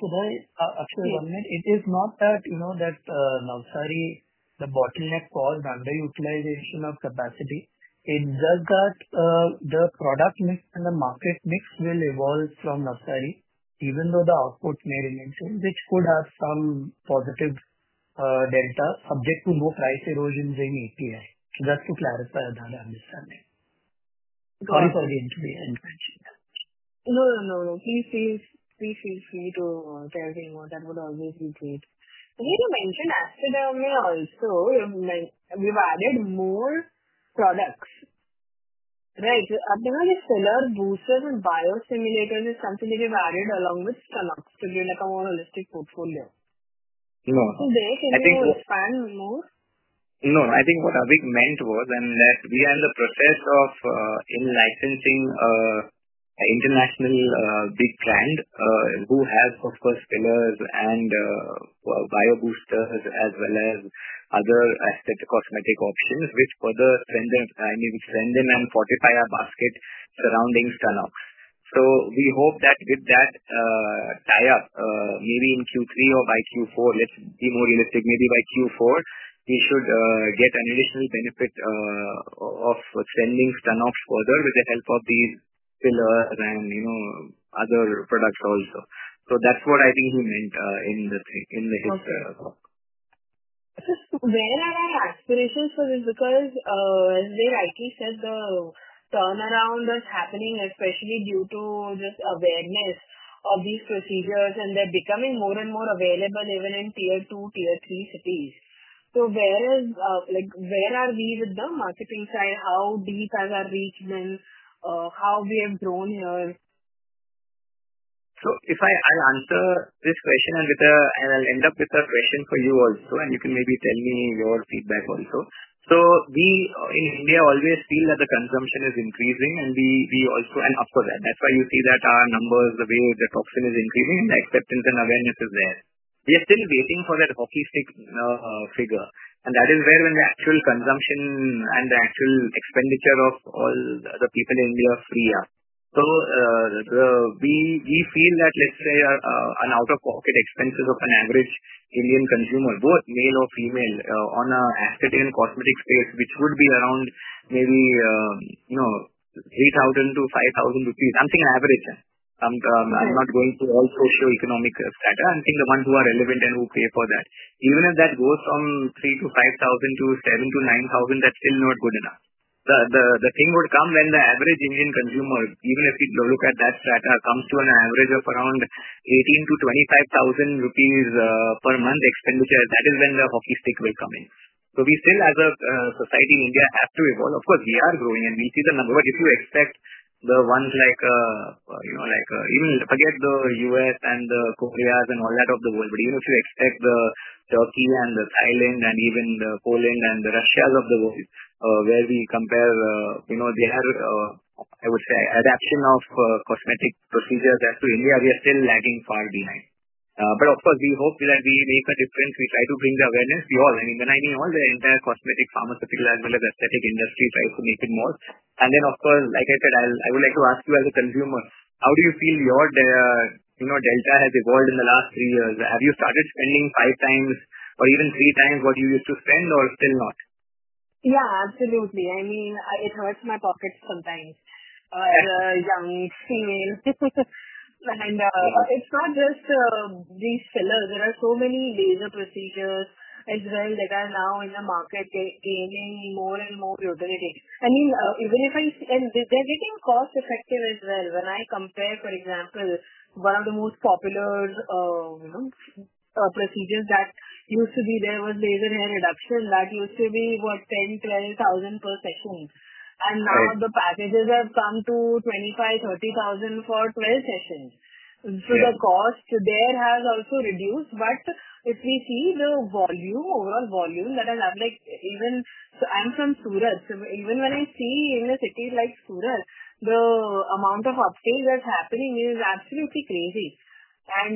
a comment. It is not that, you know, that Navsari, the bottleneck caused underutilization of capacity. It's just that the product mix and the market mix will evolve from Navsari, even though the output may remain the same, which could have some positive delta subject to more price erosions in API. Just to clarify another understanding. No, no, no. Please feel free to clarify whatever Amit needs. I mean, you mentioned after that we are also, we've added more products, right? Are there any solar boosters and biostimulators or something that you've added along with Stunnox to build a more holistic portfolio? No. Can they expand on more? No, no. I think what Avik meant was we are in the process of licensing an international big brand who has, of course, fillers and biostimulators as well as other cosmetic options, which further render, I mean, which render them fortify our basket surrounding Stunnox. We hope that with that tier, maybe in Q3 or by Q4, let's be more realistic, maybe by Q4, we should get an additional benefit of sending Stunnox further with the help of the fillers and, you know, other products also. That's what I think he meant in the question. Where are our aspirations for this? Because, as you rightly said, the turnaround that's happening, especially due to just awareness of these procedures, and they're becoming more and more available even in tier two, tier three cities. Where are we with the marketing side? How deep have I reached them? How have we grown here? If I answer this question, I'll end up with a question for you also, and you can maybe tell me your feedback also. We in India always feel that the consumption is increasing, and that's why you see that our numbers of the toxins are increasing, and the acceptance and awareness are there. We are still waiting for that hockey stick figure. That is where the actual consumption and the actual expenditure of all the people in India is free. We feel that, let's say, an out-of-pocket expense of an average Indian consumer, both male or female, on an ascertained cosmetic space, would be around maybe INR 8,000-INR 5,000. I'm saying average. I'm not going to all across the economic strata. I'm saying the ones who are relevant and who pay for that. Even if that goes from 3,000-5,000 to 7,000-9,000, that's still not good enough. The thing would come when the average Indian consumer, even if you look at that strata, comes to an average of around 18,000-25,000 rupees per month expenditure. That is when the hockey stick will come in. We still, as a society in India, have to evolve. Of course, we are growing, and we see the number. If you expect the ones like, you know, forget the U.S. and the Koreas and all that of the world, but even if you expect Turkey and Thailand and even Poland and Russia, where we compare, you know, we have, I would say, adoption of cosmetic procedures as to India, we are still lagging far behind. Of course, we hope that we make a difference. We try to bring the awareness to all. I mean, all the entire cosmetic pharmaceutical as well as aesthetic industries try to make it more. Like I said, I would like to ask you as a consumer, how do you feel your, you know, delta has evolved in the last three years? Have you started spending five times or even three times what you used to spend or still not? Yeah, absolutely. I mean, it hurts my pockets sometimes. It's not just these fillers. There are so many laser procedures as well that are now in the market taking more and more utility. Even if I spend, they're getting cost-effective as well. When I compare, for example, one of the most popular procedures that used to be there was laser hair reduction. That used to be, what, 10,000, 12,000 per session. Now the packages have come to 25,000, 30,000 for 12 sessions. The cost there has also reduced. If we see the volume, overall volume that I'm like, even I'm from Surat. Even when I see in a city like Surat, the amount of upstairs that's happening is absolutely crazy.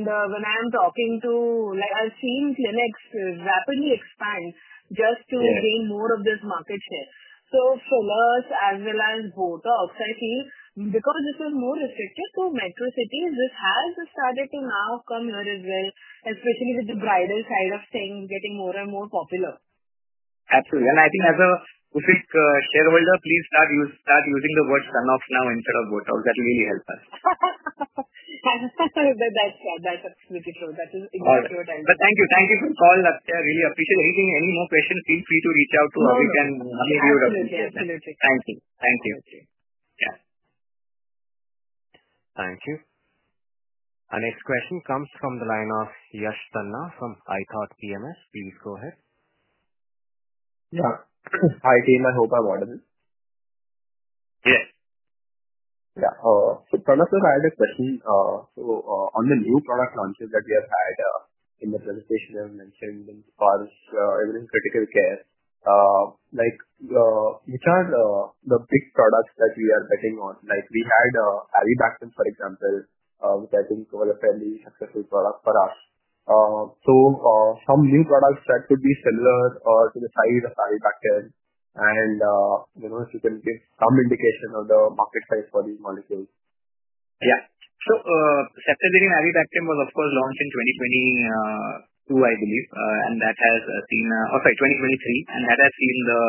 When I am talking to, like I've seen clinics rapidly expand just to gain more of this market share. Fillers as well as botulinum toxin I feel because this is more restrictive for metro cities, this has started to now come here as well, especially with the brighter side of things getting more and more popular. Absolutely. I think as a shareholder, please start using the word Stunnox now instead of Botox. That really helps us. That's true. That's exactly true. That is exactly the time. Thank you. Thank you for calling us. I really appreciate it. If you have any more questions, feel free to reach out to Avik and we'll give you the information. Thank you. Thank you. Okay. Thank you. Our next question comes from the line of Yash Tanna from ithoughtpms. Please go ahead. Yeah. Hi, team. I hope I've ordered it. Yes. Yeah. The products that I had discussed on the new product launches that we have had in the presentation, I was mentioning them to call, so everything's Critical Care. Like, which are the big products that we are betting on? Like we had avibactam, for example, which I think was a fairly successful product for us. Some new products that could be similar to the size of avibactam and, you know, if you can give some indication of the market size for these molecules. Yeah. ceftazidime and avibactam was, of course, launched in 2022, I believe, and that has seen, or sorry, 2023. That has seen the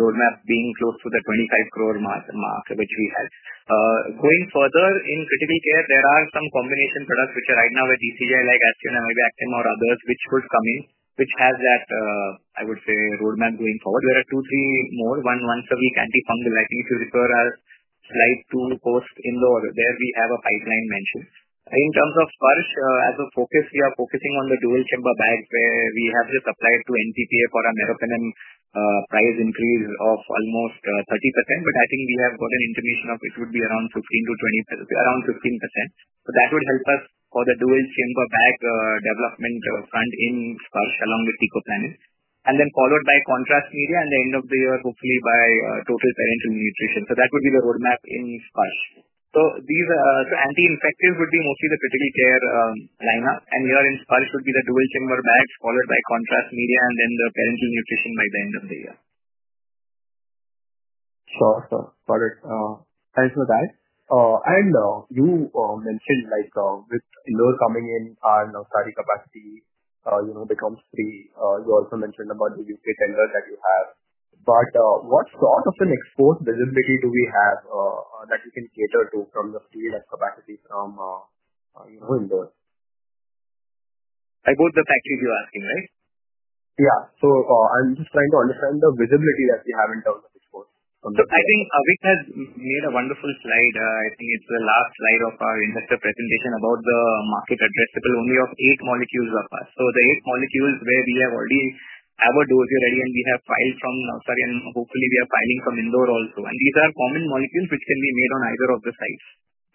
roadmap being closed to the 25 crore mark, which we have. Going further in Critical Care, there are some combination products which are right now with DCG, like aztreonam, avibactam, or others which could come in, which has that, I would say, roadmap going forward. There are two, three more, one once a week antifungal. I think if you refer to slide two post-Indore where we have a pipeline mentioned. In terms of Sparsh, as a focus, we are focusing on the dual chamber bag where we have the supplier to NPPA for a meropenem price increase of almost 30%. I think we have got an intermission of it would be around 15%-20%, around 15%. That would help us for the dual chamber bag development front in Sparsh along with teicoplanin, and then followed by contrast media and the end of the year, hopefully by total parenteral nutrition. That would be the roadmap in Sparsh. These are anti-infective, would be mostly the Critical Care lineup. Here in Sparsh would be the dual chamber batch followed by contrast media and then the parenteral nutrition by the end of the year. Got it. Thanks for that. You mentioned like with Indore coming in on Navsari capacity, you know, becomes free. You also mentioned about the UK tender that you have. What sort of an export visibility do we have that you can cater to from the scale of capacity from, you know, Indore? I bought the factories you're asking, right? I'm just trying to understand the visibility that we have in terms of export. I think Avik has made a wonderful slide. I think it's the last slide of our presentation about the market address because only of eight molecules of us. The eight molecules where we have already our dose already and we have filed from Navsari and hopefully we are filing from Indore also. These are common molecules which can be made on either of the sites.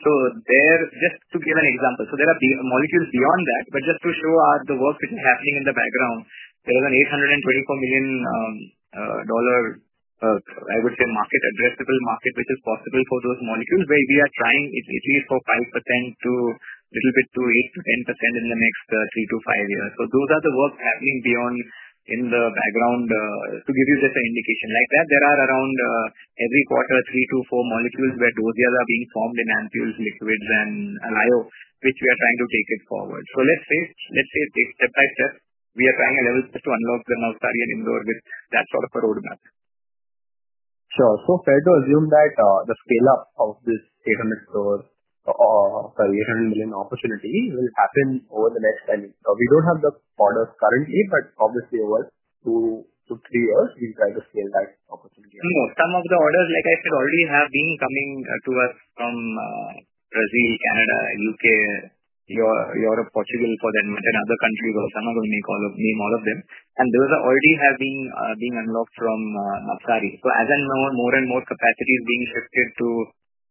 Just to give an example, there are molecules beyond that, but just to show the work that we're having in the background, there is an $824 million, I would say, addressable market which is possible for those molecules where we are trying to easily swap out percent to a little bit to 8%-10% in the next three to five years. Those are the work happening beyond in the background to give you just an indication. Like that, there are around every quarter, three to four molecules where those are being formed in ampoules, liquids, and alliole, which we are trying to take it forward. Let's say, step by step, we are trying to level to unlock the Navsari and Indore with that sort of a roadmap. Sure. Fair to assume that the scale-up of this INR 800 million opportunity will happen over the next time. We don't have the orders currently, but obviously over two to three years, we'll try to scale that opportunity. Some of the orders, like I said, already have been coming to us from Brazil, Canada, UK, Europe, Portugal, for that matter, and other countries. Some of them we call, we need more of them. Those already have been unlocked from Navsari. As and when more and more capacity is being shifted to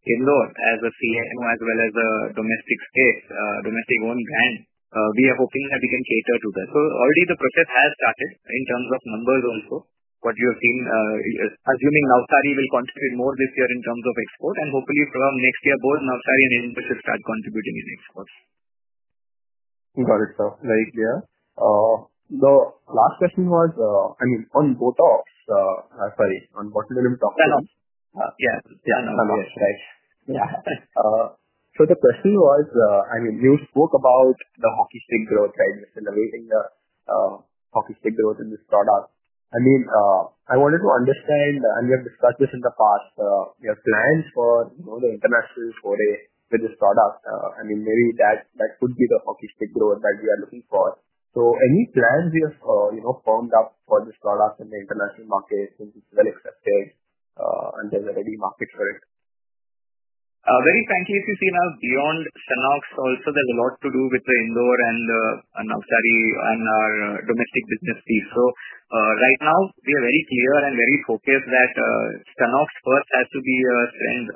Indore as a CMO as well as a domestic space, domestic one brand, we are hoping that we can cater to that. Already the process has started in terms of numbers also. What you have seen, assuming Navsari will contribute more this year in terms of export. Hopefully from next year goal, Navsari and Indore start contributing in exports. Got it, sir. Very clear. The last question was, I mean, on BOTOX, I'm sorry, on botulinum toxins. Yeah, right. You spoke about the hockey stick growth, the accelerating the hockey stick growth in this product. I wanted to understand, and we have discussed this in the past, your plans for the international foray with this product. Maybe that could be the hockey stick growth that we are looking for. Any plans you've formed up for this product in the international market since it's well accepted and there's already market for it? Very frankly, if you see now, beyond Stunnox, also there's a lot to do with the Indore and Navsari and our domestic business team. Right now, we are very clear and very focused that Stunnox's work has to be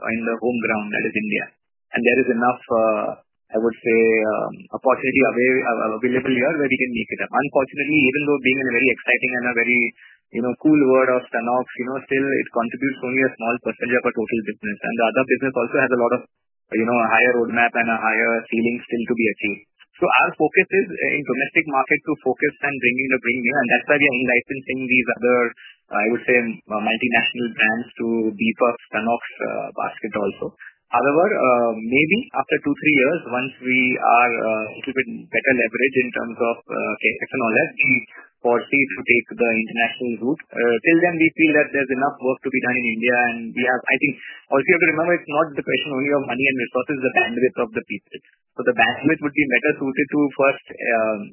in the home ground, that is India. There is enough, I would say, opportunity available here where you can make it. Unfortunately, even though being in a very exciting and a very, you know, cool world of Stunnox, still it contributes only a small percentage of our total business. The other business also has a lot of, you know, a higher roadmap and a higher ceiling still to be achieved. Our focus is in the domestic market to focus and bring in the premium. That's why we are enlightening these other, I would say, multinational brands to be part of Stunnox's basket also. However, maybe after two, three years, once we are a little bit better leveraged in terms of technology policies to take the international route, till then we feel that there's enough work to be done in India. I think also you have to remember it's not the question only of money and resources. It's the bandwidth of the people. The bandwidth would be better suited to first,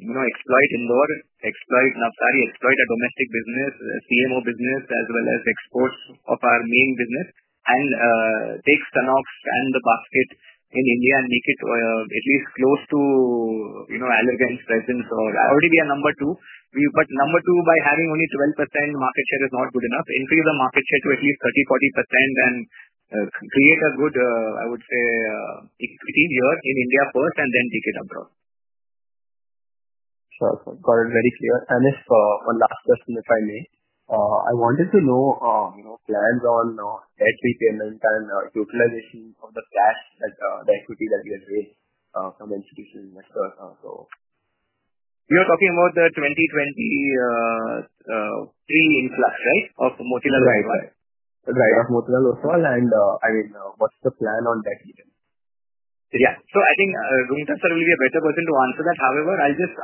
you know, exploit Indore, exploit Navsari, exploit our domestic business, CMO business, as well as export of our main business, and take Stunnox and the basket in India and make it at least close to, you know, elegance, presence, all. Already we are number two. Number two, by having only 12% market share is not good enough. Increase the market share to at least 30%-40% and create a good, I would say, executive year in India first and then take it abroad. Got it. Very clear. If one last question, if I may, I wanted to know plans on debt repayment and utilization of the cash at the equity that you raised from institutional investor. You're talking about the 2023 inflow, right, of Motilal Oswal. Right. The driver of Motilal as well. I mean, what's the plan on debt repayment? Yeah. I think Roonghta will be a better person to answer that. However, I'll just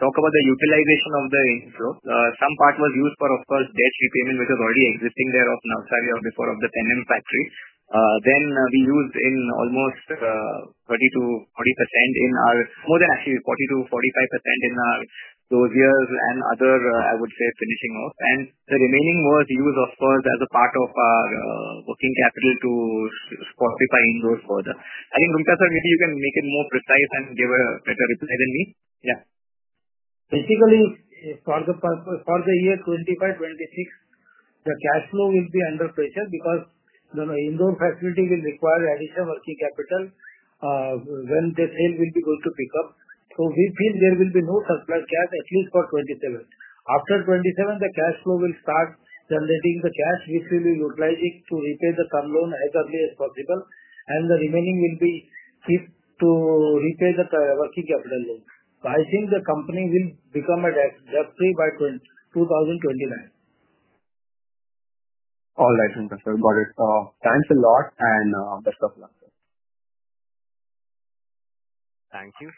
talk about the utilization of the inflow. Some part was used for, of course, debt repayment, which was already existing there of Navsari or before of the Penem factory. We used almost 30%-40% in our further, actually, 40%-45% in our those years and other, I would say, finishing off. The remaining was used, of course, as a part of our working capital to fortify Indore further. I think Roonghta, maybe you can make it more precise and give a better reply than me. Yeah. Basically, for the year 2025-2026, the cash flow will be under pressure because the Indore facility will require additional working capital. When the sale will be good to pick up, we feel there will be no surplus cash at least for 2027. After 2027, the cash flow will start generating the cash. We feel we utilize it to repay the term loan as early as possible. The remaining will be kept to repay the working capital loan. I think the company will become debt-free by 2029. All right, got it. Thanks a lot, and best of luck. Thank you.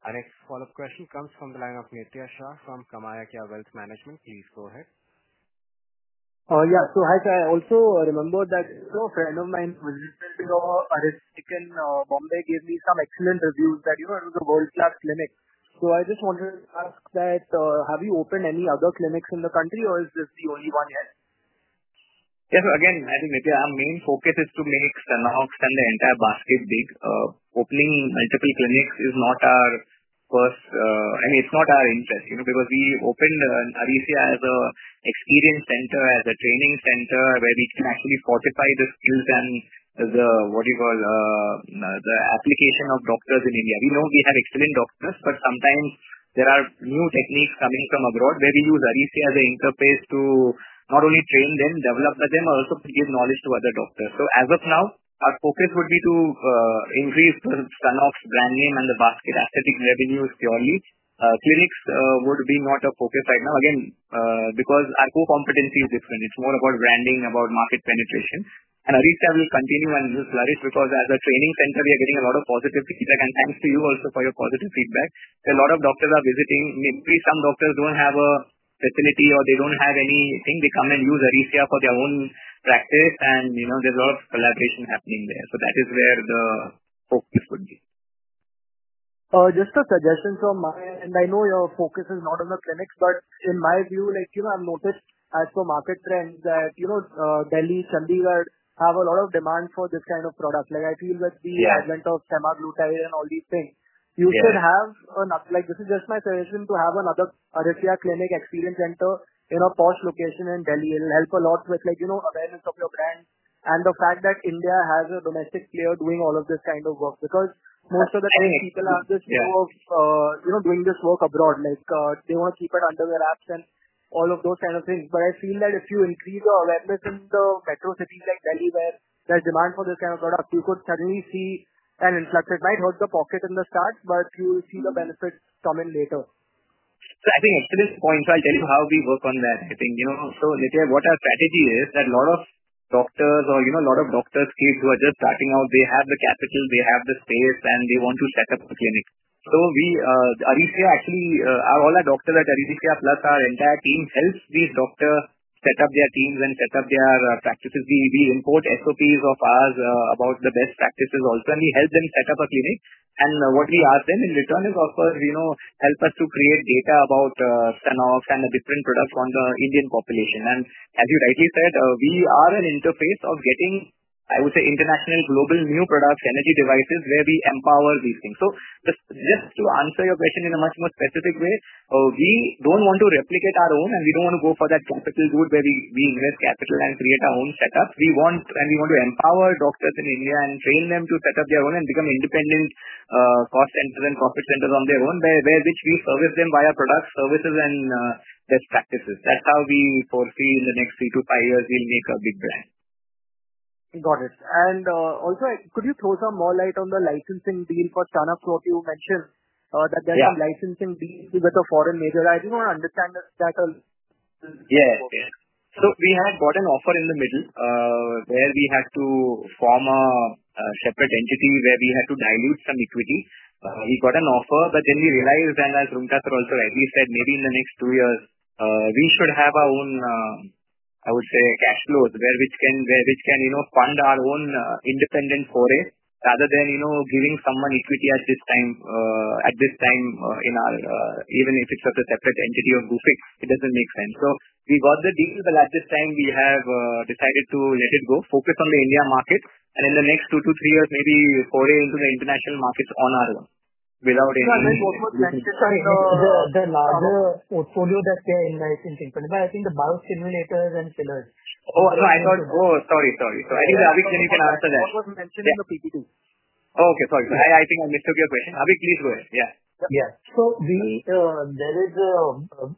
Our next follow-up question comes from the line of Nitya Shah from KamayaKya Wealth Management. Please go ahead. Hi, sir. I also remember that a fellow friend of mine visited Arisia Bombay gave me some excellent reviews that you run the world-class clinic. I just wanted to ask that, have you opened any other clinics in the country, or is this the only one here? Yes. Again, I think our main focus is to make Stunnox and the entire basket big. Opening multiple clinics is not our first, and it's not our interest, you know, because we opened Arisia as an experience center, as a training center where we can actually fortify the skills and the, what do you call, the application of doctors in India. We know we have excellent doctors, but sometimes there are new techniques coming from abroad where we use Arisia as an interface to not only train them, develop them, but also to give knowledge to other doctors. As of now, our focus would be to increase the Stunnox brand name and the basket aesthetic revenue purely. Clinics would not be a focus right now. Our core competency is different. It's more about branding, about market penetration. Arisia will continue and flourish because as a training center, we are getting a lot of positive feedback. Thanks to you also for your positive feedback. There are a lot of doctors who are visiting. Maybe some doctors don't have a facility or they don't have anything. They come and use Arisia for their own practice. There's a lot of collaboration happening there. That is where the focus would be. Just a suggestion. I know your focus is not on the clinics, but in my view, like you have noticed as per market trend that, you know, Delhi, Chandigarh have a lot of demand for this kind of product. I feel with the advent of Arisia and all these things, you should have another, like this is just my suggestion, to have another Arisia clinic experience center in a posh location in Delhi. It will help a lot with, like, you know, awareness of your brand and the fact that India has a domestic player doing all of this kind of work because most of the time, people have this view of, you know, doing this work abroad. They want to keep it under their wraps and all of those kinds of things. I feel that if you increase the awareness in the metro cities like Delhi where there's demand for this kind of product, you could suddenly see an influx. It might hurt the pocket in the start, but you will see the benefits come in later. I think at this point, I'll tell you how we work on that. I think, you know, what our strategy is that a lot of doctors or, you know, a lot of doctors' kids who are just starting out, they have the capital, they have the space, and they want to set up a clinic. We, Arisia, actually, all our doctors at Arisia plus our entire team helps these doctors set up their teams and set up their practices. We import SOPs of ours about the best practices also, and we help them set up a clinic. What we ask them in return is, of course, help us to create data about Stunnox and the different products from the Indian population. As you rightly said, we are an interface of getting, I would say, international, global new products, energy devices where we empower these things. Just to answer your question in a much more specific way, we don't want to replicate our own, and we don't want to go for that capital good where we invest capital and create our own setups. We want, and we want to empower doctors in India and train them to set up their own and become independent call centers and conference centers on their own, which we service via products, services, and best practices. That's how we foresee in the next three to five years, we'll make a big brand. Got it. Could you throw some more light on the licensing deal for Stunnox? You mentioned that there's some licensing deal with a foreign major. I do want to understand the status of that. Yeah. We have got an offer in the middle where we had to form a separate entity where we had to dilute some equity. We got an offer, but then we realized that, as Roonghta also rightly said, maybe in the next two years, we should have our own, I would say, cash flow where we can fund our own independent foray rather than giving someone equity at this time. At this time, even if it's a separate entity or grouping, it doesn't make sense. We got the deal, but at this time, we have decided to let it go, focus on the India market, and in the next two to three years, maybe foray into the international markets on our own without anything. Sorry. The larger portfolio that you're in licensing for, I think the biostimulators and fillers. Oh, sorry. Anyway, Avik, maybe you can answer that. What was mentioned in the PPT? Oh, okay. Sorry. I think I missed your question. Avik, please go ahead. Yeah. Yeah. There is a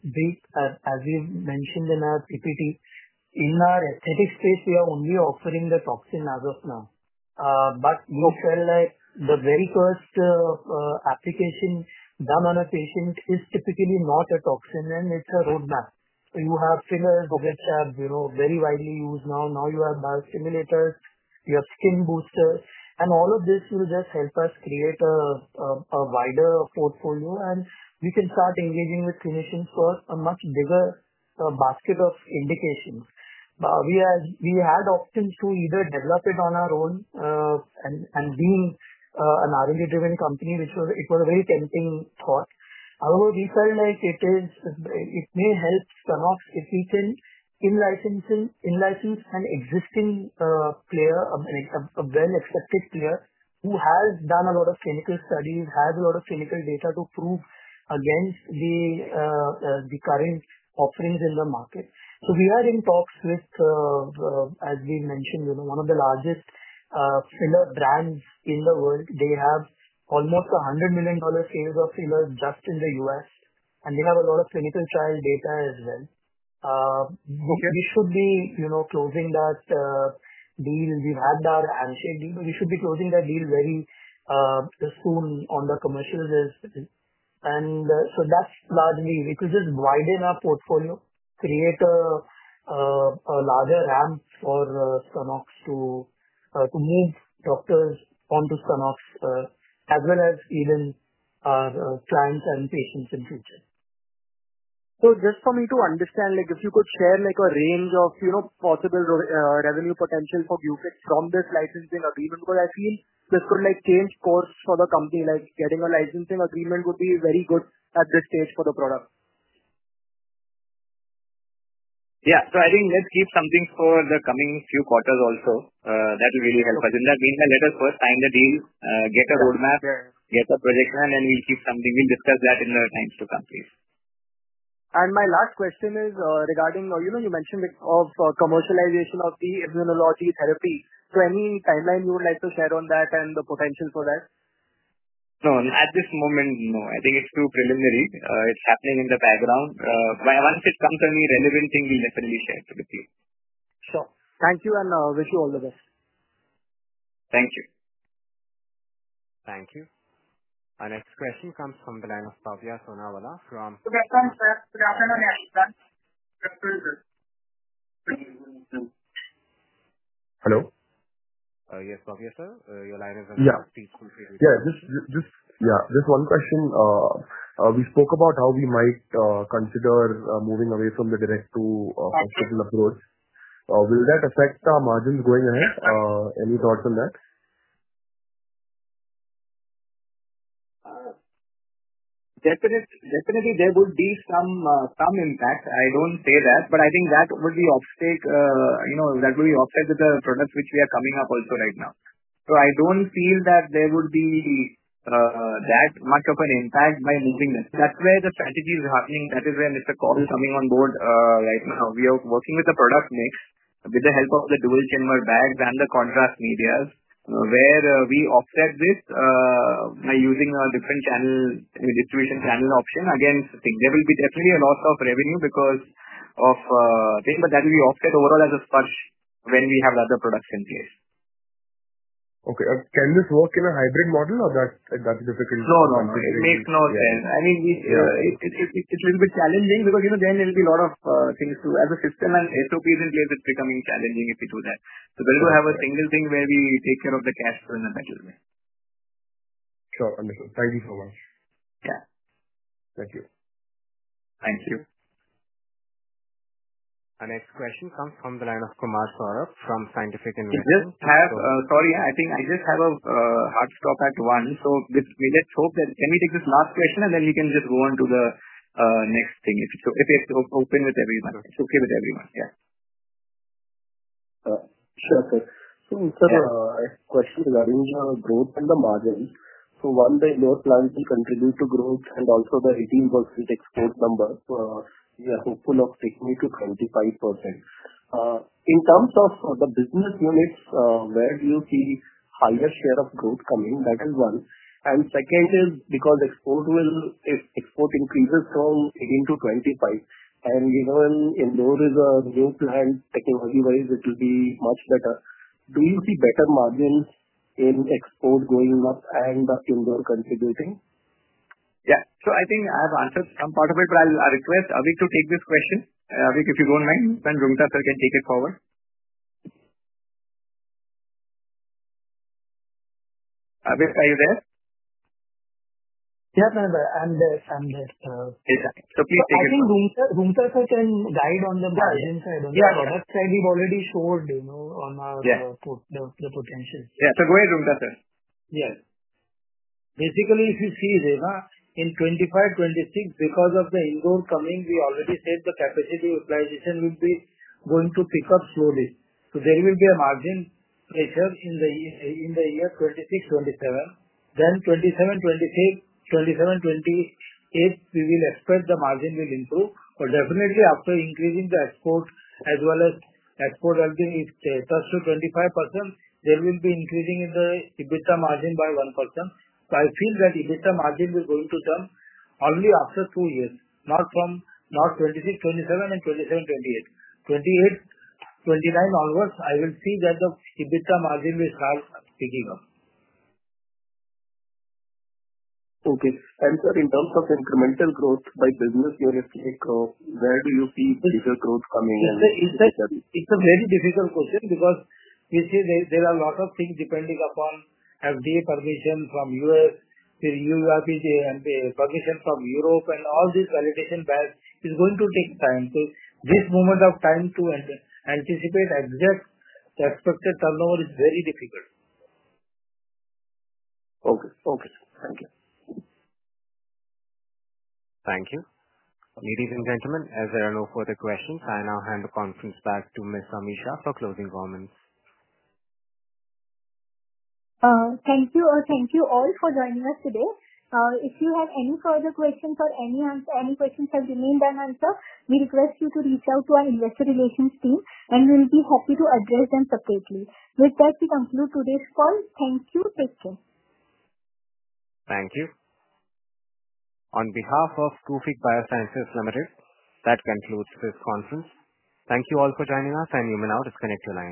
bit, as you mentioned in our PPT, in our aesthetic space, we are only offering the toxin as of now. You felt like the very first application done on a patient is typically not a toxin, and it's a roadmap. You have filler and double stabs, you know, very widely used now. Now you have biostimulators. You have skin boosters. All of this will just help us create a wider portfolio, and we can start engaging with clinicians for a much bigger basket of indications. We had options to either develop it on our own, and being an R&D-driven company, which was a very tempting thought. However, we felt like it may help Stunnox if we can in-license an existing player, a well-accepted player who has done a lot of clinical studies, has a lot of clinical data to prove against the current offerings in the market. We are in talks with, as we mentioned, one of the largest filler brands in the world. They have almost $100 million sales of fillers just in the U.S. and they have a lot of clinical trial data as well. We should be closing that deal very soon on the commercial basis. That's largely we could just widen our portfolio, create a larger ramp for Stunnox to move doctors onto Stunnox, as well as even our clients and patients in the future. Just for me to understand, if you could share a range of possible revenue potential for you from this licensing agreement, because I feel this could change course for the company. Getting a licensing agreement would be very good at this stage for the product. Yes. I think let's keep something for the coming few quarters also. That will really help us. In the meantime, let us first find the deal, get a roadmap, get a prediction, and then we'll keep something. We'll discuss that in the next two countries. My last question is regarding, you mentioned commercialization of the immune therapy. Any timeline you would like to share on that and the potential for that? No. At this moment, no. I think it's too preliminary. It's happening in the background. Once it comes to any relevant thing, we'll definitely share it with you. Sure. Thank you, and wish you all the best. Thank you. Thank you. Our next question comes from the line of Bhavya Sonawala. Hello. Yes, Savya sir, your line is in the last piece. Yeah. Just one question. We spoke about how we might consider moving away from the direct-to-packaging approach. Will that affect our margins going ahead? Any thoughts on that? Definitely, there would be some impacts. I don't say that, but I think that would be obstacle, you know, that would be obstacle to the products which we are coming up with right now. I don't feel that there would be that much of an impact by moving this. That's where the strategy is happening. That is where Mr. Kaul is coming on board right now. We are working with the product mix with the help of the dual chamber bags and the contrast media where we offset this by using a different channel, a distribution channel option. There will be definitely a loss of revenue because of things, but that will be offset overall as a sponge when we have other production phase. Okay. Can this work in a hybrid model or that's a difficult? No, no. It makes no sense. I mean, it's a little bit challenging because, you know, there will be a lot of things too. As a system and SOPs in place, it's becoming challenging if you do that. We have a single thing where we take care of the cash flow and the packaging. Sure. Understood. Thank you so much. Thank you. Thank you. Our next question comes from the line of Kaumar Saurabh from Scientific Innovations. Sorry, I think I just have a hard stop at 1:00 P.M. Let's hope that we can take this last question and then we can just go on to the next thing. If it's open with everyone, if it's okay with everyone. Yeah. Sure, sir. Sir, a question regarding growth in the margins. One, the Indore plant to contribute to growth and also the 18% export number, we are hopeful of taking it to 25%. In terms of the business units, where do you see higher share of growth coming? That is one. Second is because export will, if export increases from 18% to 25%, and given Indore is a new plant technology-wise, it will be much better. Do you see better margins in export going up and the Indore contributing? Yeah, I think I've answered some part of it, but I'll request Avik to take this question. Avik, if you don't mind, then Devkinandan can take it forward. Avik, are you there? Yes, I'm there. I'm there. Please take it. I think Avik can guide on the margin side. On the product side, we've already scored, you know, on our potentials. Yeah, go ahead, Roonghta. Yes. Basically, if you see here in 2025-2026, because of the Indore coming, we already said the capacity utilization will be going to pick up slowly. There will be a margin research in the year 2026-2027. In 2027-2028, we will expect the margin will improve. Definitely, after increasing the export as well as export, I think if it gets us to 25%, there will be increasing in the EBITDA margin by 1%. I feel that EBITDA margin will grow to term only after two years, not from 2026-2027 and 2027-2028. In 2028-2029, all of us, I will see that the EBITDA margin will start picking up. Okay. Sir, in terms of incremental growth by business, where do you see future growth coming? It's a very difficult question because you see there are a lot of things depending upon FDA permission from the U.S., [the EU, RPG,] and permissions from Europe. All this validation bag is going to take time. At this moment of time, to anticipate exact expected turnover is very difficult. Okay. Okay. Thank you. Ladies and gentlemen, as there are no further questions, I now hand the conference back to Ms. Ami Shah for closing comments. Thank you. Thank you all for joining us today. If you have any further questions or any questions have remained unanswered, we request you to reach out to our investor relations team, and we'll be happy to address them separately. With that, we conclude today's call. Thank you. Take care. Thank you. On behalf of Gufic Biosciences Limited, that concludes this conference. Thank you all for joining us, and you may now disconnect your lines.